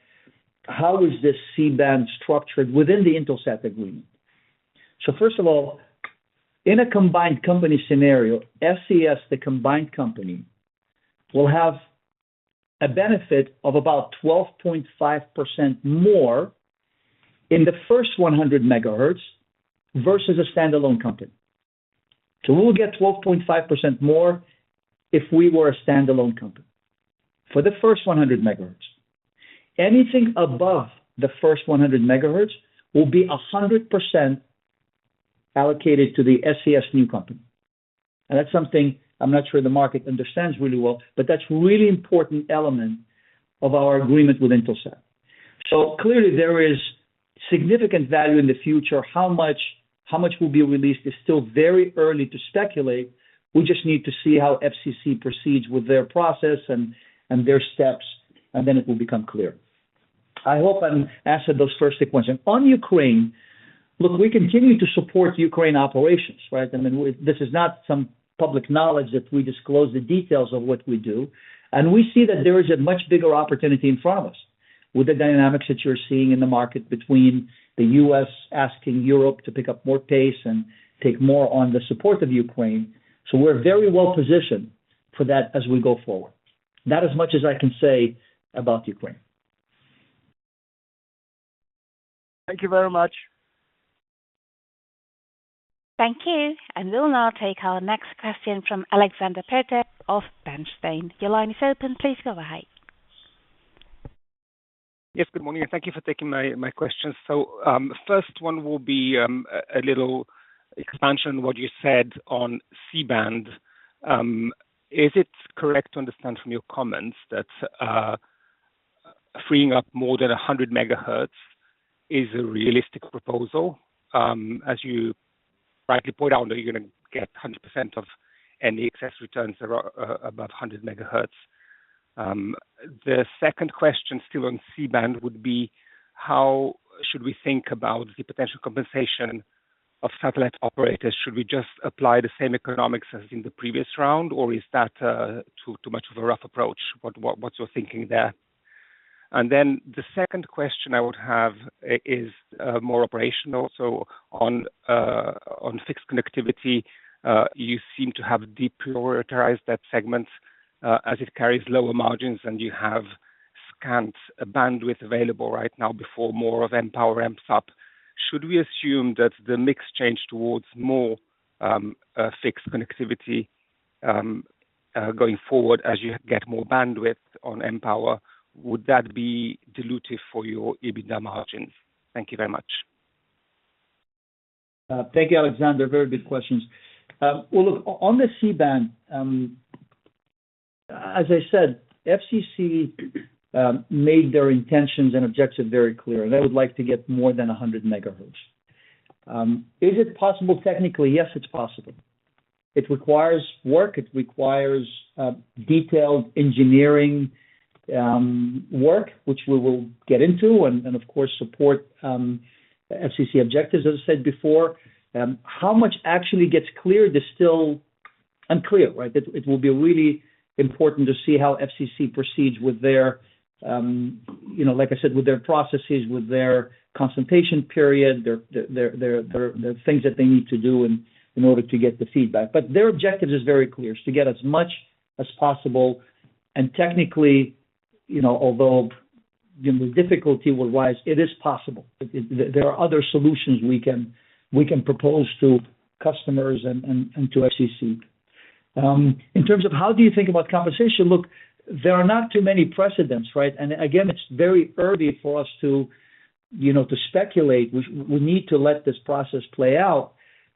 how this C-band is structured within the Intelsat agreement. So first of all, in a combined company scenario, SES, the combined company, will have a benefit of about 12.5% more in the first 100 megahertz versus a standalone company. So we'll get 12.5% more if we were a standalone company for the first 100 megahertz. Anything above the first 100 megahertz will be 100% allocated to the SES new company. And that's something I'm not sure the market understands really well, but that's a really important element of our agreement with Intelsat. So clearly, there is significant value in the future. How much will be released is still very early to speculate. We just need to see how FCC proceeds with their process and their steps, and then it will become clear. I hope I've answered those first three questions. On Ukraine, look, we continue to support Ukraine operations, right? I mean, this is not some public knowledge that we disclose the details of what we do. And we see that there is a much bigger opportunity in front of us with the dynamics that you're seeing in the market between the U.S. asking Europe to pick up more pace and take more on the support of Ukraine. So we're very well-positioned for that as we go forward. Not as much as I can say about Ukraine. Thank you very much. Thank you. And we'll now take our next question from Alexander Peterc of Bernstein. Your line is open. Please go ahead. Yes, good morning. Thank you for taking my questions. So first one will be a little expansion on what you said on C-band. Is it correct to understand from your comments that freeing up more than 100 megahertz is a realistic proposal? As you rightly point out, you're going to get 100% of any excess returns that are above 100 megahertz. The second question still on C-band would be, how should we think about the potential compensation of satellite operators? Should we just apply the same economics as in the previous round, or is that too much of a rough approach? What's your thinking there? And then the second question I would have is more operational. So on fixed connectivity, you seem to have deprioritized that segment as it carries lower margins, and you have scant bandwidth available right now before more of mPOWER ramps up. Should we assume that the mix changed towards more fixed connectivity going forward as you get more bandwidth on mPOWER, would that be dilutive for your EBITDA margins? Thank you very much. Thank you, Alexander. Very good questions. Well, look, on the C-band, as I said, FCC made their intentions and objectives very clear, and they would like to get more than 100 megahertz. Is it possible technically? Yes, it's possible. It requires work. It requires detailed engineering work, which we will get into, and of course, support FCC objectives, as I said before. How much actually gets cleared is still unclear, right? It will be really important to see how FCC proceeds with their, like I said, with their processes, with their consultation period, the things that they need to do in order to get the feedback. But their objective is very clear, to get as much as possible. Technically, although the difficulty will rise, it is possible. There are other solutions we can propose to customers and to FCC. In terms of how do you think about compensation, look, there are not too many precedents, right? Again, it's very early for us to speculate. We need to let this process play out.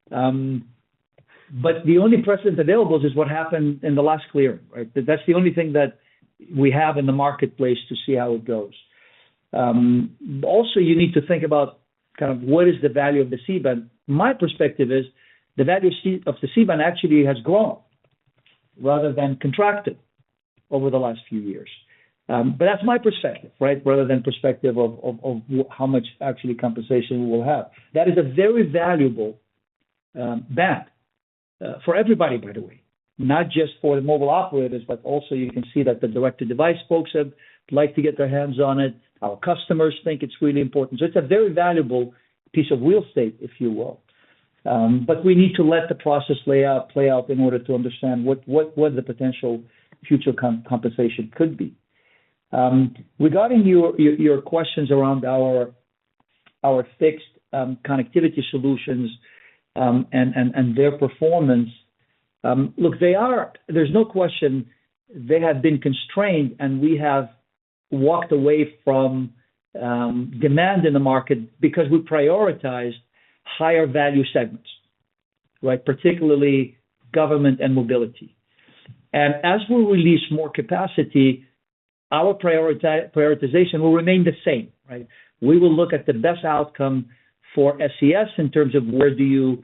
The only precedent available is what happened in the last clearing, right? That's the only thing that we have in the marketplace to see how it goes. Also, you need to think about kind of what is the value of the C-band. My perspective is the value of the C-band actually has grown rather than contracted over the last few years. That's my perspective, right, rather than perspective of how much actually compensation we will have. That is a very valuable band for everybody, by the way, not just for the mobile operators, but also you can see that the direct-to-device folks have liked to get their hands on it. Our customers think it's really important. So it's a very valuable piece of real estate, if you will. But we need to let the process play out in order to understand what the potential future compensation could be. Regarding your questions around our fixed connectivity solutions and their performance, look, there's no question they have been constrained, and we have walked away from demand in the market because we prioritized higher value segments, right, particularly government and Mobility. And as we release more capacity, our prioritization will remain the same, right? We will look at the best outcome for SES in terms of where do you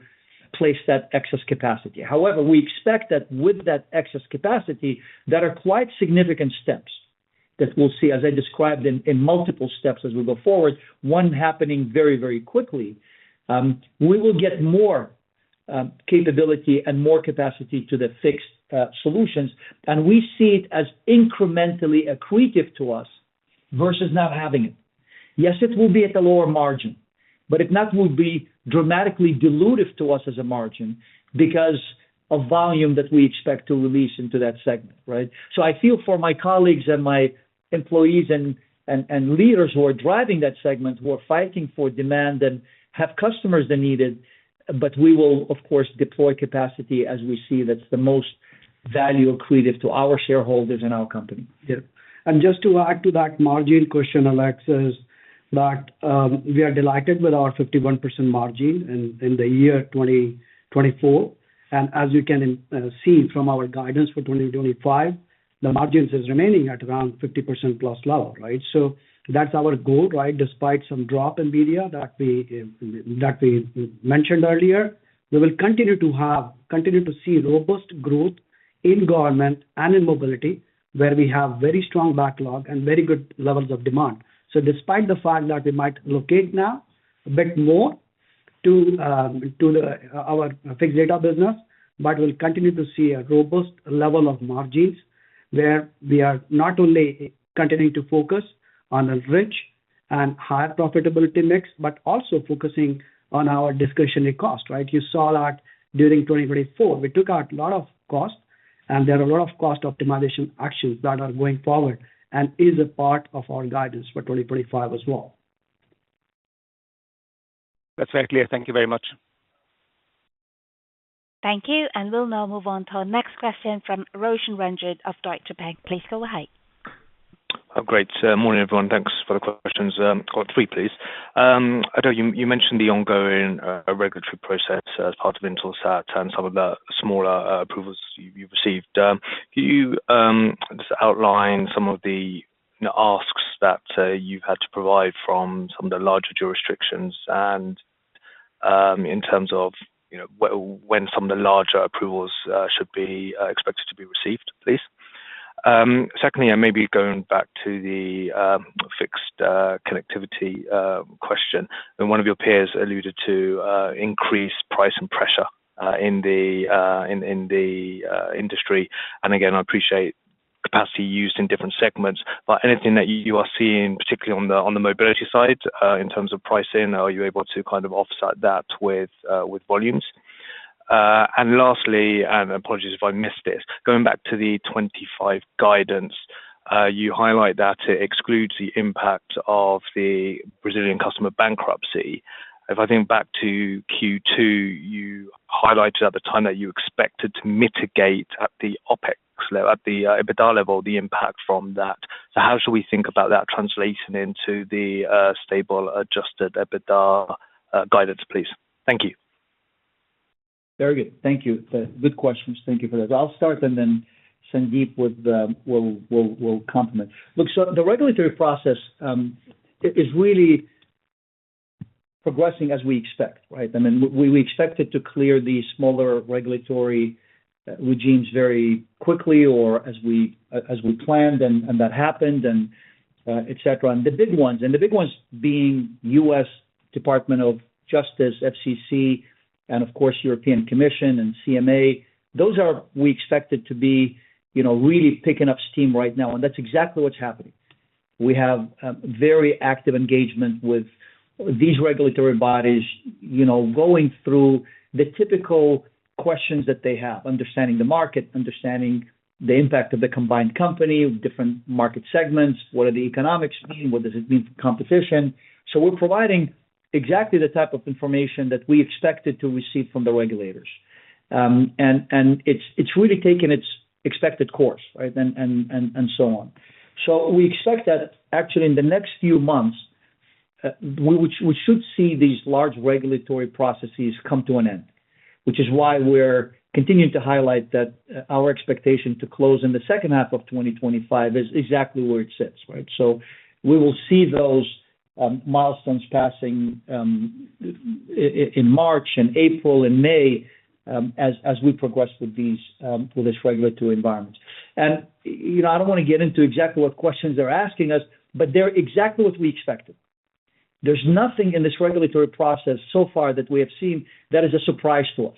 place that excess capacity? However, we expect that with that excess capacity, there are quite significant steps that we'll see, as I described, in multiple steps as we go forward, one happening very, very quickly. We will get more capability and more capacity to the fixed solutions, and we see it as incrementally accretive to us versus not having it. Yes, it will be at a lower margin, but it will be dramatically dilutive to us as a margin because of volume that we expect to release into that segment, right? So I feel for my colleagues and my employees and leaders who are driving that segment, who are fighting for demand and have customers they needed, but we will, of course, deploy capacity as we see that's the most value-accretive to our shareholders and our company. Yeah. Just to add to that margin question, Alex, is that we are delighted with our 51% margin in the year 2024. As you can see from our guidance for 2025, the margin is remaining at around 50% plus low, right? That's our goal, right? Despite some drop in Media that we mentioned earlier, we will continue to see robust growth in government and in Mobility where we have very strong backlog and very good levels of demand. Despite the fact that we might allocate now a bit more to our fixed data business, but we'll continue to see a robust level of margins where we are not only continuing to focus on the right and higher profitability mix, but also focusing on our discretionary cost, right? You saw that during 2024. We took out a lot of cost, and there are a lot of cost optimization actions that are going forward and are a part of our guidance for 2025 as well. That's very clear. Thank you very much. Thank you. And we'll now move on to our next question from Roshan Ranjit of Deutsche Bank. Please go ahead. Great. Good morning, everyone. Thanks for the questions. Got three, please. I know you mentioned the ongoing regulatory process as part of Intelsat and some of the smaller approvals you've received. Can you just outline some of the asks that you've had to provide from some of the larger jurisdictions in terms of when some of the larger approvals should be expected to be received, please? Secondly, and maybe going back to the fixed connectivity question, one of your peers alluded to increased price pressure in the industry. And again, I appreciate capacity used in different segments, but anything that you are seeing, particularly on the Mobility side in terms of pricing, are you able to kind of offset that with volumes? And lastly, and apologies if I missed it, going back to the '25 guidance, you highlight that it excludes the impact of the Brazilian customer bankruptcy. If I think back to Q2, you highlighted at the time that you expected to mitigate at the EBITDA level the impact from that. So how should we think about that translation into the stable adjusted EBITDA guidance, please? Thank you. Very good. Thank you. Good questions. Thank you for that. I'll start and then Sandeep will complement. Look, so the regulatory process is really progressing as we expect, right? I mean, we expected to clear these smaller regulatory regimes very quickly or as we planned, and that happened, etc. The big ones being U.S. Department of Justice, FCC, and of course, European Commission and CMA, those are we expected to be really picking up steam right now. That's exactly what's happening. We have very active engagement with these regulatory bodies going through the typical questions that they have, understanding the market, understanding the impact of the combined company, different market segments, what do the economics mean, what does it mean for competition. We're providing exactly the type of information that we expected to receive from the regulators. It's really taken its expected course, right, and so on. So we expect that actually in the next few months, we should see these large regulatory processes come to an end, which is why we're continuing to highlight that our expectation to close in the second half of 2025 is exactly where it sits, right? So we will see those milestones passing in March and April and May as we progress through this regulatory environment. And I don't want to get into exactly what questions they're asking us, but they're exactly what we expected. There's nothing in this regulatory process so far that we have seen that is a surprise to us.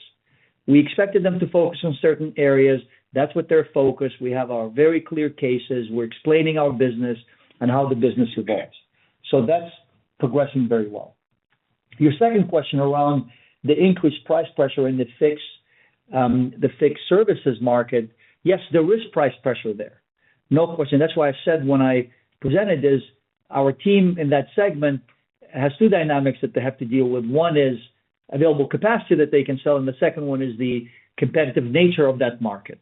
We expected them to focus on certain areas. That's what they're focused. We have our very clear cases. We're explaining our business and how the business evolves. So that's progressing very well. Your second question around the increased price pressure in the fixed services market, yes, there is price pressure there. No question. That's why I said when I presented is our team in that segment has two dynamics that they have to deal with. One is available capacity that they can sell, and the second one is the competitive nature of that market.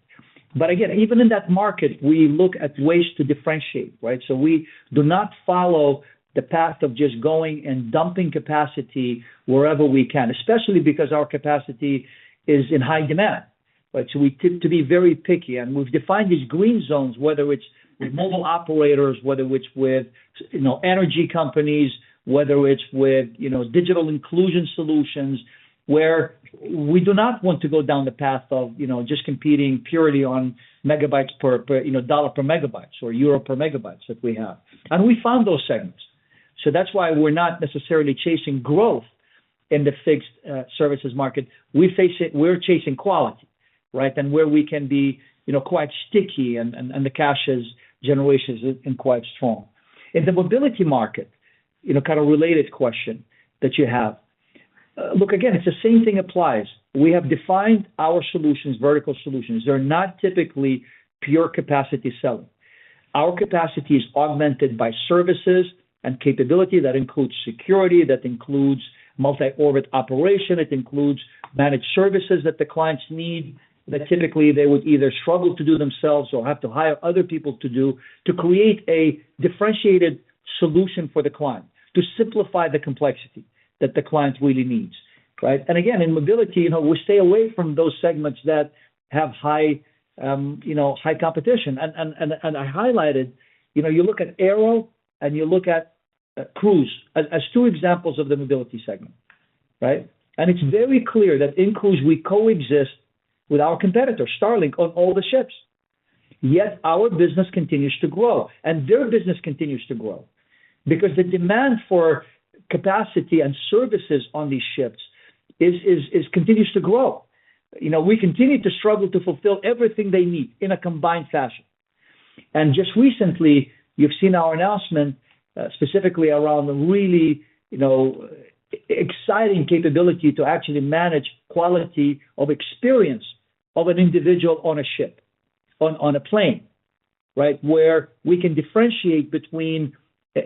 But again, even in that market, we look at ways to differentiate, right? So we do not follow the path of just going and dumping capacity wherever we can, especially because our capacity is in high demand, right? So we tend to be very picky. And we've defined these green zones, whether it's with mobile operators, whether it's with energy companies, whether it's with digital inclusion solutions, where we do not want to go down the path of just competing purely on $ per megabytes or EUR per megabytes that we have. And we found those segments. So that's why we're not necessarily chasing growth in the fixed services market. We're chasing quality, right, and where we can be quite sticky and the cash generation is quite strong. In the Mobility market, kind of related question that you have. Look, again, it's the same thing applies. We have defined our solutions, vertical solutions. They're not typically pure capacity selling. Our capacity is augmented by services and capability that includes security, that includes multi-orbit operation, it includes managed services that the clients need that typically they would either struggle to do themselves or have to hire other people to do to create a differentiated solution for the client, to simplify the complexity that the client really needs, right? And again, in Mobility, we stay away from those segments that have high competition. And I highlighted, you look at Aero and you look at Cruise as two examples of the Mobility segment, right? And it's very clear that in Cruise, we coexist with our competitor, Starlink, on all the ships. Yet our business continues to grow, and their business continues to grow because the demand for capacity and services on these ships continues to grow. We continue to struggle to fulfill everything they need in a combined fashion. Just recently, you've seen our announcement specifically around a really exciting capability to actually manage quality of experience of an individual on a ship, on a plane, right, where we can differentiate between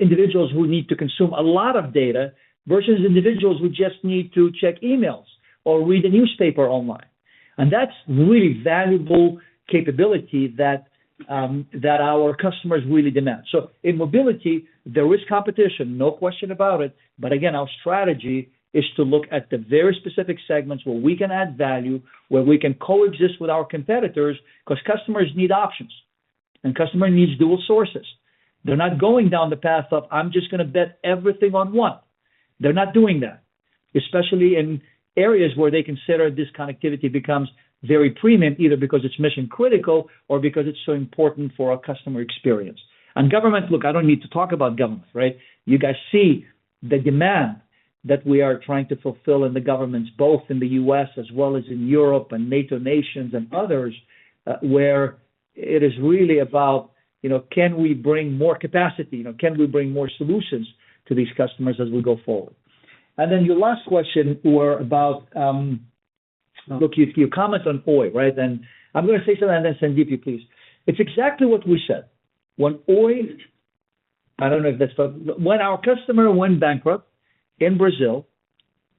individuals who need to consume a lot of data versus individuals who just need to check emails or read a newspaper online. That's really valuable capability that our customers really demand. In Mobility, there is competition, no question about it. Again, our strategy is to look at the very specific segments where we can add value, where we can coexist with our competitors because customers need options, and customers need dual sources. They're not going down the path of, "I'm just going to bet everything on one." They're not doing that, especially in areas where they consider this connectivity becomes very premium, either because it's mission-critical or because it's so important for our customer experience, and government, look, I don't need to talk about government, right? You guys see the demand that we are trying to fulfill in the governments, both in the U.S. as well as in Europe and NATO nations and others, where it is really about, "Can we bring more capacity? Can we bring more solutions to these customers as we go forward," and then your last question were about, look, your comments on Oi, right, and I'm going to say something and then Sandeep, you please. It's exactly what we said. When Oi, when our customer went bankrupt in Brazil,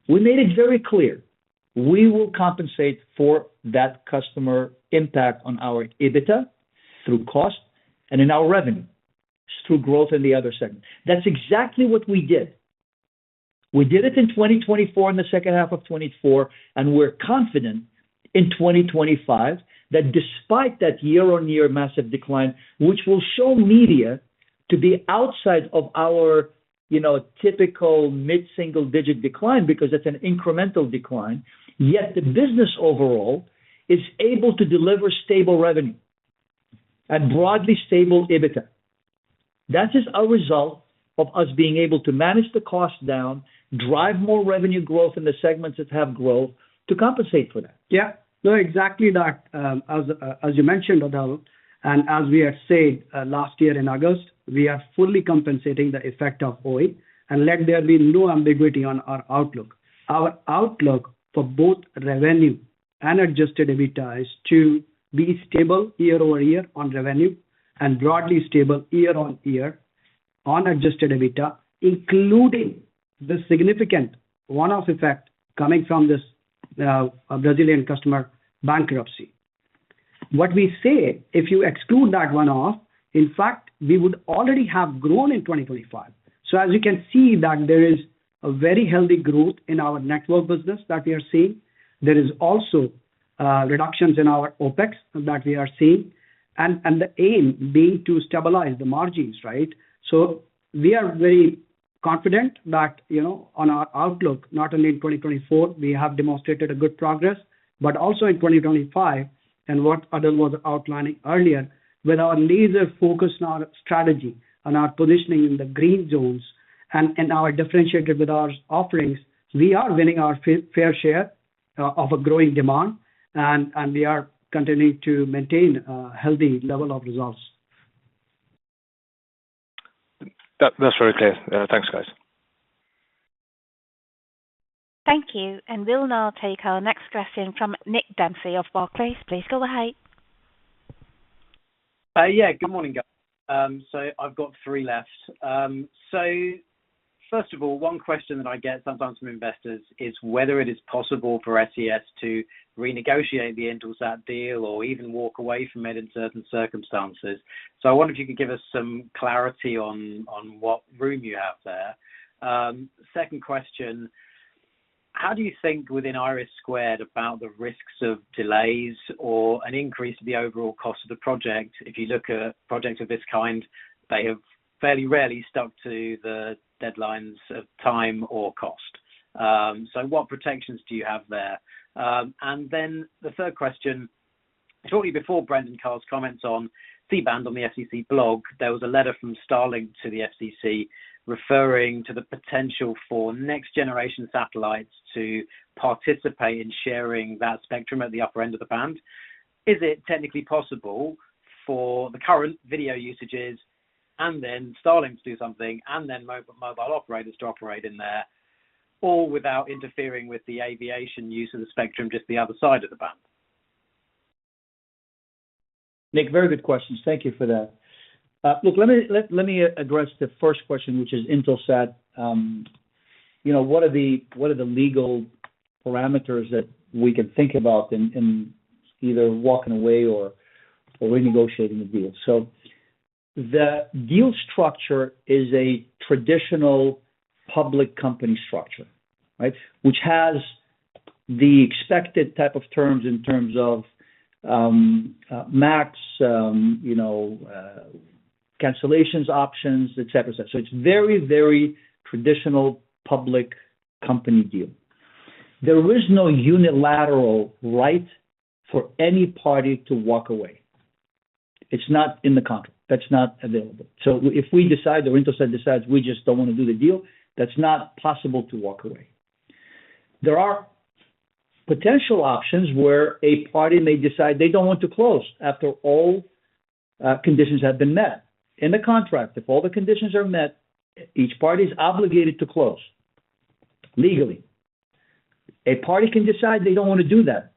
we made it very clear we will compensate for that customer impact on our EBITDA through cost and in our revenue through growth in the other segment. That's exactly what we did. We did it in 2024 in the second half of 2024, and we're confident in 2025 that despite that year-on-year massive decline, which will show Media to be outside of our typical mid-single-digit decline because it's an incremental decline, yet the business overall is able to deliver stable revenue and broadly stable EBITDA. That is our result of us being able to manage the cost down, drive more revenue growth in the segments that have growth to compensate for that. Yeah. No, exactly that. As you mentioned, Adel, and as we had said last year in August, we are fully compensating the effect of Oi and let there be no ambiguity on our outlook. Our outlook for both revenue and adjusted EBITDA is to be stable year-over-year on revenue and broadly stable year-on-year on adjusted EBITDA, including the significant one-off effect coming from this Brazilian customer bankruptcy. What we say, if you exclude that one-off, in fact, we would already have grown in 2025. So as you can see that there is a very healthy growth in our network business that we are seeing. There are also reductions in our OpEx that we are seeing, and the aim being to stabilize the margins, right? So we are very confident that on our outlook, not only in 2024, we have demonstrated good progress, but also in 2025, and what Adel was outlining earlier, with our laser focus on our strategy and our positioning in the green zones and in our differentiated with our offerings, we are winning our fair share of a growing demand, and we are continuing to maintain a healthy level of results. That's very clear. Thanks, guys. Thank you. And we'll now take our next question from Nick Dempsey of Barclays. Please go ahead. Yeah. Good morning, guys. So I've got three left. So first of all, one question that I get sometimes from investors is whether it is possible for SES to renegotiate the Intelsat deal or even walk away from it in certain circumstances. So I wonder if you could give us some clarity on what room you have there. Second question, how do you think within IRIS² about the risks of delays or an increase in the overall cost of the project? If you look at projects of this kind, they have fairly rarely stuck to the deadlines of time or cost. So what protections do you have there? And then the third question, shortly before Brendan Carr's comments on C-band on the FCC blog, there was a letter from Starlink to the FCC referring to the potential for next-generation satellites to participate in sharing that spectrum at the upper end of the band. Is it technically possible for the current video usages and then Starlink to do something and then mobile operators to operate in there all without interfering with the aviation use of the spectrum just the other side of the band? Nick, very good questions. Thank you for that. Look, let me address the first question, which is Intelsat. What are the legal parameters that we can think about in either walking away or renegotiating the deal? So the deal structure is a traditional public company structure, right, which has the expected type of terms in terms of MAC, cancellation options, etc., etc. So it's very, very traditional public company deal. There is no unilateral right for any party to walk away. It's not in the contract. That's not available. So if we decide or Intelsat decides we just don't want to do the deal, that's not possible to walk away. There are potential options where a party may decide they don't want to close after all conditions have been met in the contract. If all the conditions are met, each party is obligated to close legally. A party can decide they don't want to do that.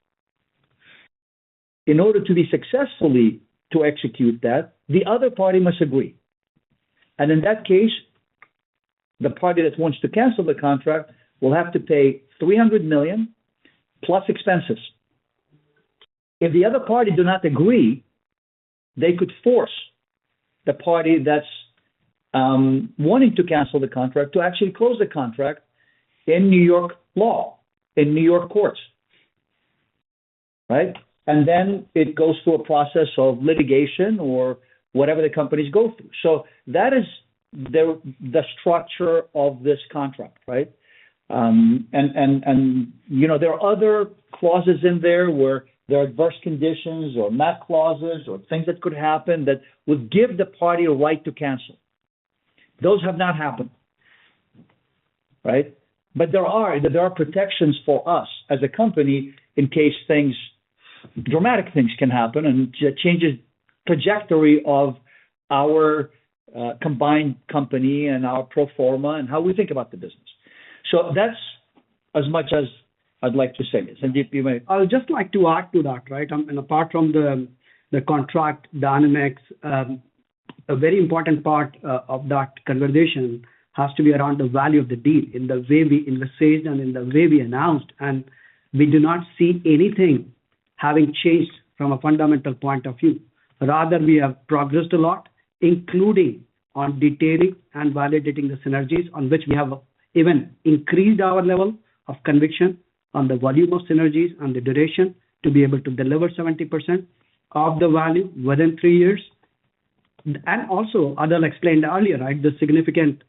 In order to be successfully to execute that, the other party must agree. And in that case, the party that wants to cancel the contract will have to pay 300 million plus expenses. If the other party does not agree, they could force the party that's wanting to cancel the contract to actually close the contract in New York law, in New York courts, right? And then it goes through a process of litigation or whatever the companies go through. So that is the structure of this contract, right? And there are other clauses in there where there are adverse conditions or MAC clauses or things that could happen that would give the party a right to cancel. Those have not happened, right? But there are protections for us as a company in case dramatic things can happen and changes trajectory of our combined company and our pro forma and how we think about the business. So that's as much as I'd like to say. Sandeep, you may. I would just like to add to that, right? And apart from the contract dynamics, a very important part of that conversation has to be around the value of the deal in the way we invested and in the way we announced. And we do not see anything having changed from a fundamental point of view. Rather, we have progressed a lot, including on detailing and validating the synergies on which we have even increased our level of conviction on the volume of synergies and the duration to be able to deliver 70% of the value within three years. Also, Adel explained earlier, right, the significant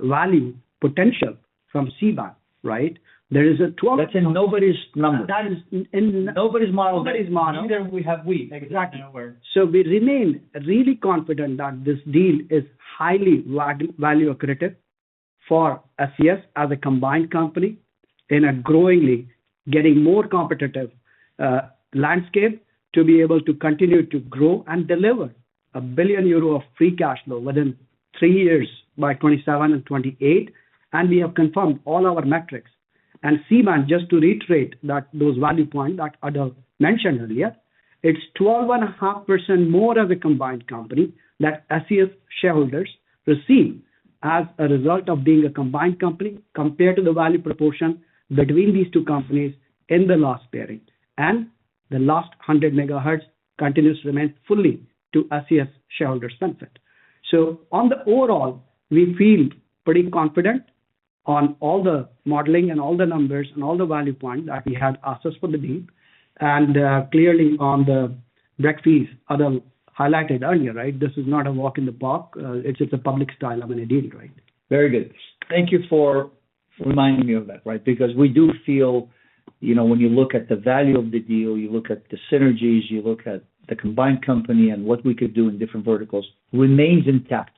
value potential from C-band, right? There is a 12.5. <crosstalk> That's in nobody's numbers. That is in <crosstalk> nobody's models in. Nobody's models in. Neither do we have it. Exactly. So we remain really confident that this deal is highly value-accretive for SES as a combined company in a growingly getting more competitive landscape to be able to continue to grow and deliver €1 billion of free cash flow within three years by 2027 and 2028. We have confirmed all our metrics. C-band, just to reiterate those value points that Adel mentioned earlier, it's 12.5% more as a combined company that SES shareholders receive as a result of being a combined company compared to the value proportion between these two companies in the last pairing. The last 100 megahertz continues to remain fully to SES shareholders' benefit. So on the overall, we feel pretty confident on all the modeling and all the numbers and all the value points that we had asked us for the deal. And clearly on the broadcast Adel highlighted earlier, right? This is not a walk in the park. It's a public style of a deal, right? Very good. Thank you for reminding me of that, right? Because we do feel when you look at the value of the deal, you look at the synergies, you look at the combined company and what we could do in different verticals, remains intact.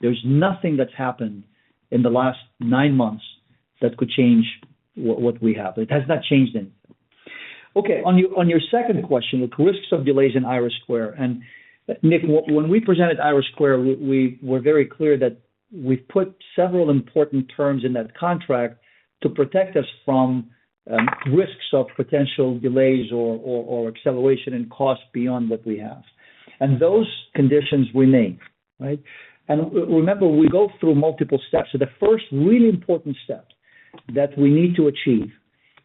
There's nothing that's happened in the last nine months that could change what we have. It has not changed anything. Okay. On your second question, the risks of delays in IRIS². Nick, when we presented IRIS², we were very clear that we've put several important terms in that contract to protect us from risks of potential delays or acceleration and cost beyond what we have. And those conditions remain, right? And remember, we go through multiple steps. So the first really important step that we need to achieve,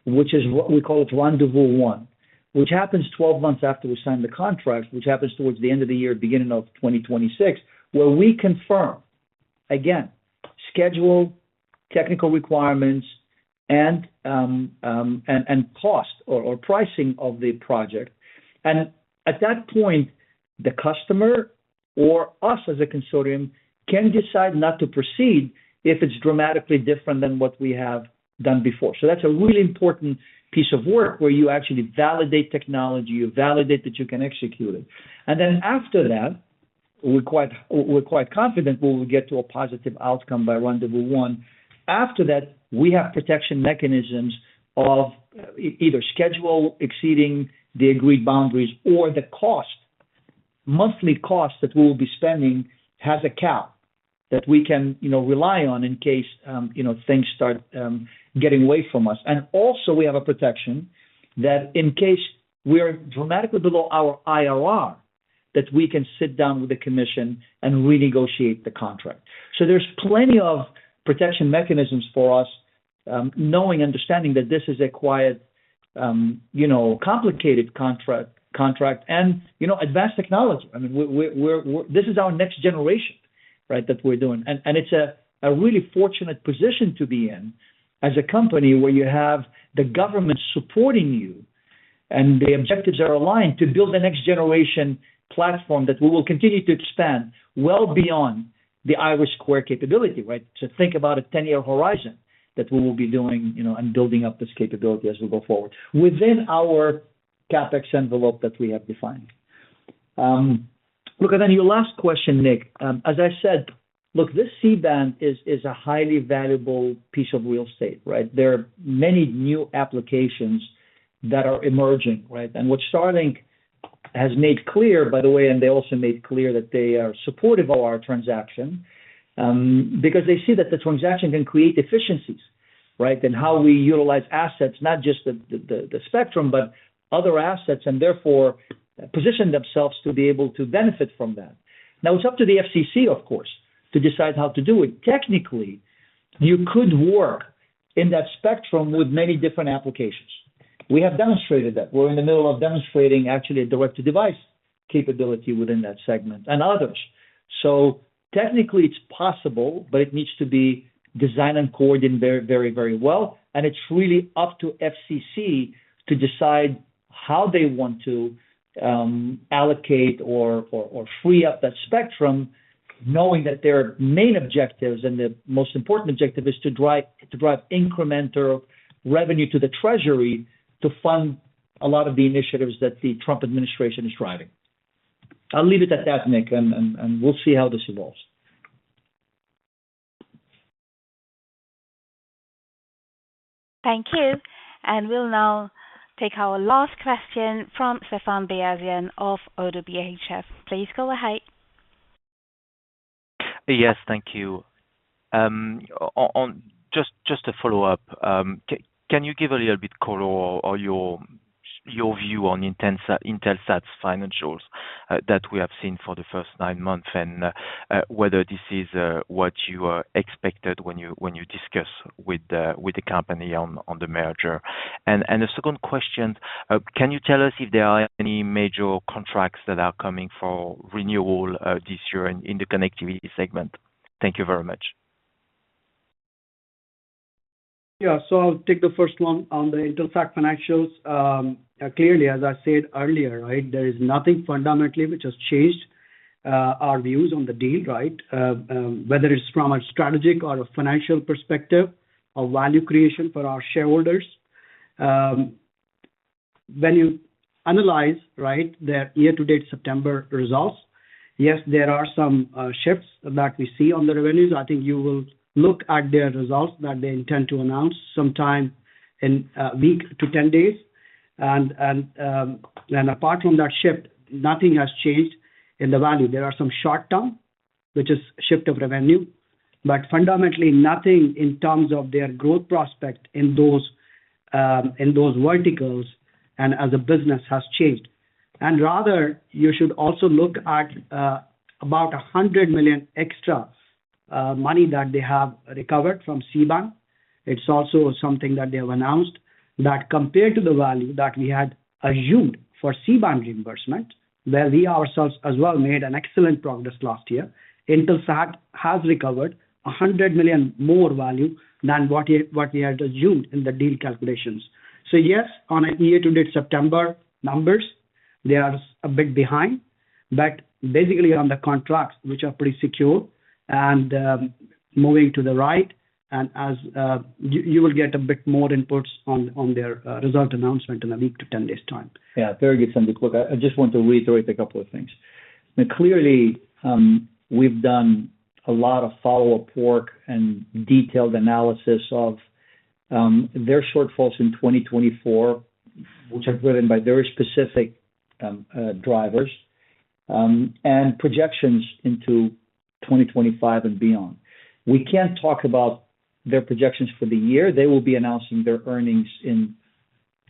which is what we call a rendezvous one, which happens 12 months after we sign the contract, which happens towards the end of the year, beginning of 2026, where we confirm, again, schedule, technical requirements, and cost or pricing of the project. And at that point, the customer or us as a consortium can decide not to proceed if it's dramatically different than what we have done before. So that's a really important piece of work where you actually validate technology, you validate that you can execute it. And then after that, we're quite confident we will get to a positive outcome by rendezvous one. After that, we have protection mechanisms of either schedule exceeding the agreed boundaries or the cost, monthly cost that we will be spending has a cap that we can rely on in case things start getting away from us. And also, we have a protection that in case we're dramatically below our IRR, that we can sit down with the Commission and renegotiate the contract. So there's plenty of protection mechanisms for us, knowing and understanding that this is a quite complicated contract and advanced technology. I mean, this is our next generation, right, that we're doing. And it's a really fortunate position to be in as a company where you have the government supporting you and the objectives are aligned to build a next-generation platform that we will continue to expand well beyond the IRIS² capability, right? So think about a 10-year horizon that we will be doing and building up this capability as we go forward within our CapEx envelope that we have defined. Look, and then your last question, Nick. As I said, look, this C-band is a highly valuable piece of real estate, right? There are many new applications that are emerging, right? And what Starlink has made clear, by the way, and they also made clear that they are supportive of our transaction because they see that the transaction can create efficiencies, right, in how we utilize assets, not just the spectrum, but other assets and therefore position themselves to be able to benefit from that. Now, it's up to the FCC, of course, to decide how to do it. Technically, you could work in that spectrum with many different applications. We have demonstrated that. We're in the middle of demonstrating actually a direct-to-device capability within that segment and others. So technically, it's possible, but it needs to be designed and coordinated very, very well. It's really up to the FCC to decide how they want to allocate or free up that spectrum, knowing that their main objectives and the most important objective is to drive incremental revenue to the Treasury to fund a lot of the initiatives that the Trump administration is driving. I'll leave it at that, Nick, and we'll see how this evolves. Thank you. We'll now take our last question from Stéphane Beyazian of ODDO BHF. Please go ahead. Yes, thank you. Just to follow up, can you give a little bit color or your view on Intelsat's financials that we have seen for the first nine months and whether this is what you expected when you discuss with the company on the merger? And a second question, can you tell us if there are any major contracts that are coming for renewal this year in the connectivity segment? Thank you very much. Yeah. So I'll take the first one on the Intelsat financials. Clearly, as I said earlier, right, there is nothing fundamentally which has changed our views on the deal, right, whether it's from a strategic or a financial perspective of value creation for our shareholders. When you analyze, right, their year-to-date September results, yes, there are some shifts that we see on the revenues. I think you will look at their results that they intend to announce sometime in a week to 10 days. And apart from that shift, nothing has changed in the value. There are some short-term, which is shift of revenue, but fundamentally, nothing in terms of their growth prospect in those verticals and as a business has changed. And rather, you should also look at about $100 million extra money that they have recovered from C-band. It's also something that they have announced that compared to the value that we had assumed for C-band reimbursement, where we ourselves as well made an excellent progress last year, Intelsat has recovered 100 million more value than what we had assumed in the deal calculations. So yes, on a year-to-date September numbers, they are a bit behind, but basically on the contracts, which are pretty secure and moving to the right. And you will get a bit more inputs on their result announcement in a week to 10 days' time. Yeah. Very good, Sandeep. Look, I just want to reiterate a couple of things. Clearly, we've done a lot of follow-up work and detailed analysis of their shortfalls in 2024, which are driven by very specific drivers and projections into 2025 and beyond. We can't talk about their projections for the year. They will be announcing their earnings in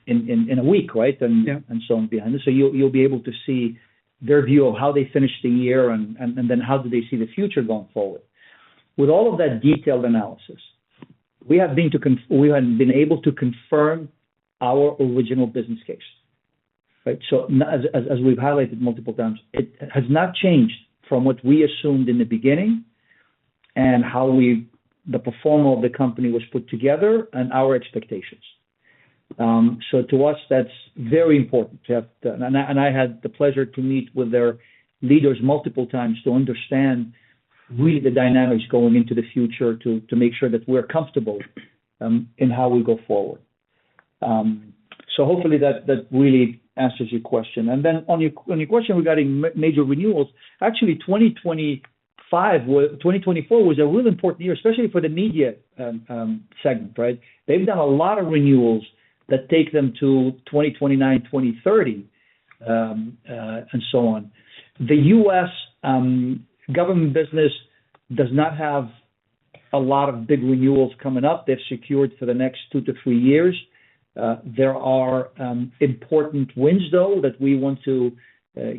a week, right, and so on behind this. So you'll be able to see their view of how they finished the year and then how do they see the future going forward. With all of that detailed analysis, we have been able to confirm our original business case, right? So as we've highlighted multiple times, it has not changed from what we assumed in the beginning and how the performance of the company was put together and our expectations. So to us, that's very important to have. And I had the pleasure to meet with their leaders multiple times to understand really the dynamics going into the future to make sure that we're comfortable in how we go forward. So hopefully, that really answers your question. And then on your question regarding major renewals, actually, 2024 was a really important year, especially for the Media segment, right? They've done a lot of renewals that take them to 2029, 2030, and so on. The U.S. government business does not have a lot of big renewals coming up. They've secured for the next two to three years. There are important wins, though, that we want to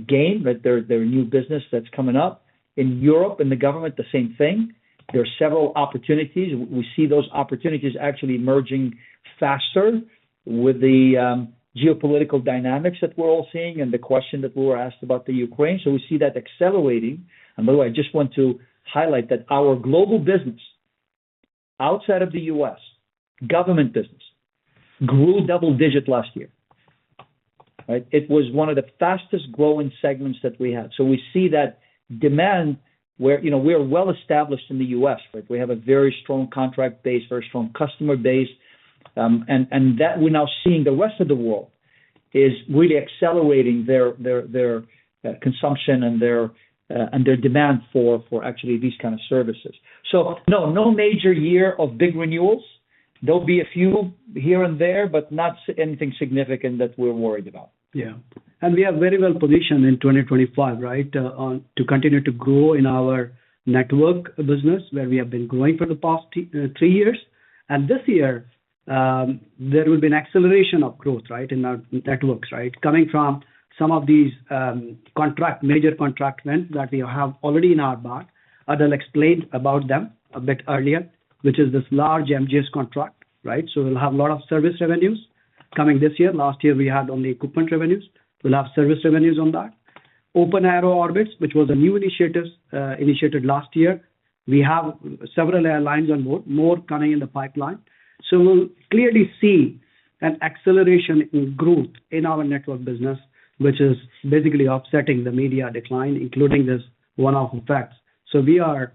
gain, but there are new business that's coming up. In Europe and the government, the same thing. There are several opportunities. We see those opportunities actually emerging faster with the geopolitical dynamics that we're all seeing and the question that we were asked about the Ukraine. So we see that accelerating. And by the way, I just want to highlight that our global business outside of the U.S. government business grew double-digit last year, right? It was one of the fastest-growing segments that we had. So we see that demand where we are well-established in the U.S., right? We have a very strong contract base, very strong customer base. And that we're now seeing the rest of the world is really accelerating their consumption and their demand for actually these kinds of services. So no, no major year of big renewals. There'll be a few here and there, but not anything significant that we're worried about. Yeah. And we are very well-positioned in 2025, right, to continue to grow in our network business where we have been growing for the past three years. And this year, there will be an acceleration of growth, right, in our networks, right, coming from some of these major contract events that we have already in our back. Adel explained about them a bit earlier, which is this large MGS contract, right? So we'll have a lot of service revenues coming this year. Last year, we had only equipment revenues. We'll have service revenues on that. Open Orbits, which was a new initiative initiated last year. We have several airlines on board, more coming in the pipeline. So we'll clearly see an acceleration in growth in our network business, which is basically offsetting the Media decline, including this one-off effect. So we are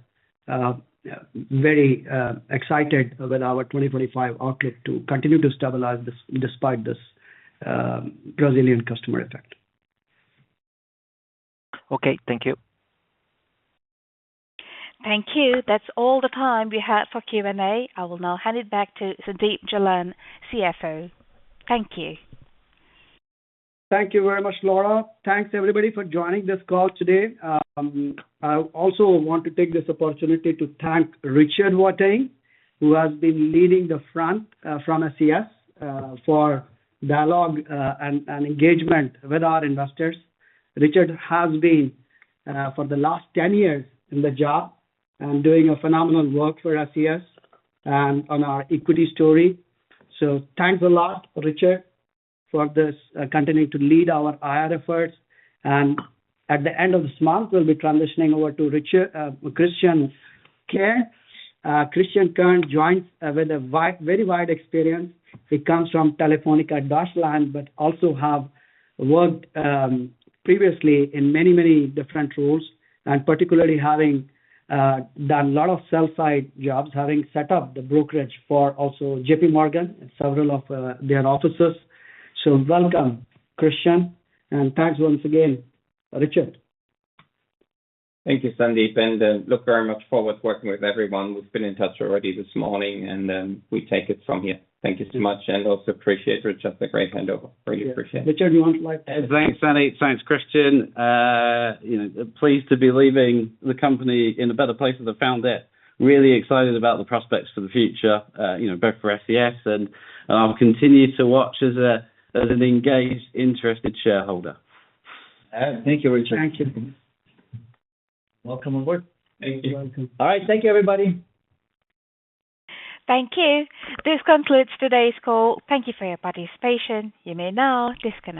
very excited with our 2025 outlook to continue to stabilize despite this Brazilian customer effect. Okay. Thank you. Thank you. That's all the time we have for Q&A. I will now hand it back to Sandeep Jalan, CFO. Thank you. Thank you very much, Laura. Thanks, everybody, for joining this call today. I also want to take this opportunity to thank Richard Whiting, who has been leading the front from SES for dialogue and engagement with our investors. Richard has been, for the last 10 years, in the job and doing a phenomenal work for SES and on our equity story. So thanks a lot, Richard, for this continuing to lead our IR efforts. And at the end of this month, we'll be transitioning over to Christian Kern. Christian Kern joins with a very wide experience. He comes from Telefónica Deutschland, but also has worked previously in many, many different roles, and particularly having done a lot of sell-side jobs, having set up the brokerage for also JPMorgan and several of their offices. So welcome, Christian. And thanks once again, Richard. Thank you, Sandeep. And look very much forward to working with everyone. We've been in touch already this morning, and we take it from here. Thank you so much. And also appreciate Richard's great handover. Really appreciate it. Richard, you want to light up? Thanks, Sandeep. Thanks, Christian. Pleased to be leaving the company in a better place as a founder. Really excited about the prospects for the future, both for SES, and I'll continue to watch as an engaged, interested shareholder. Thank you, Richard. Thank you. <crosstalk> Welcome on board. Thank you. All right. Thank you, everybody. Thank you. This concludes today's call. Thank you for your participation. You may now disconnect.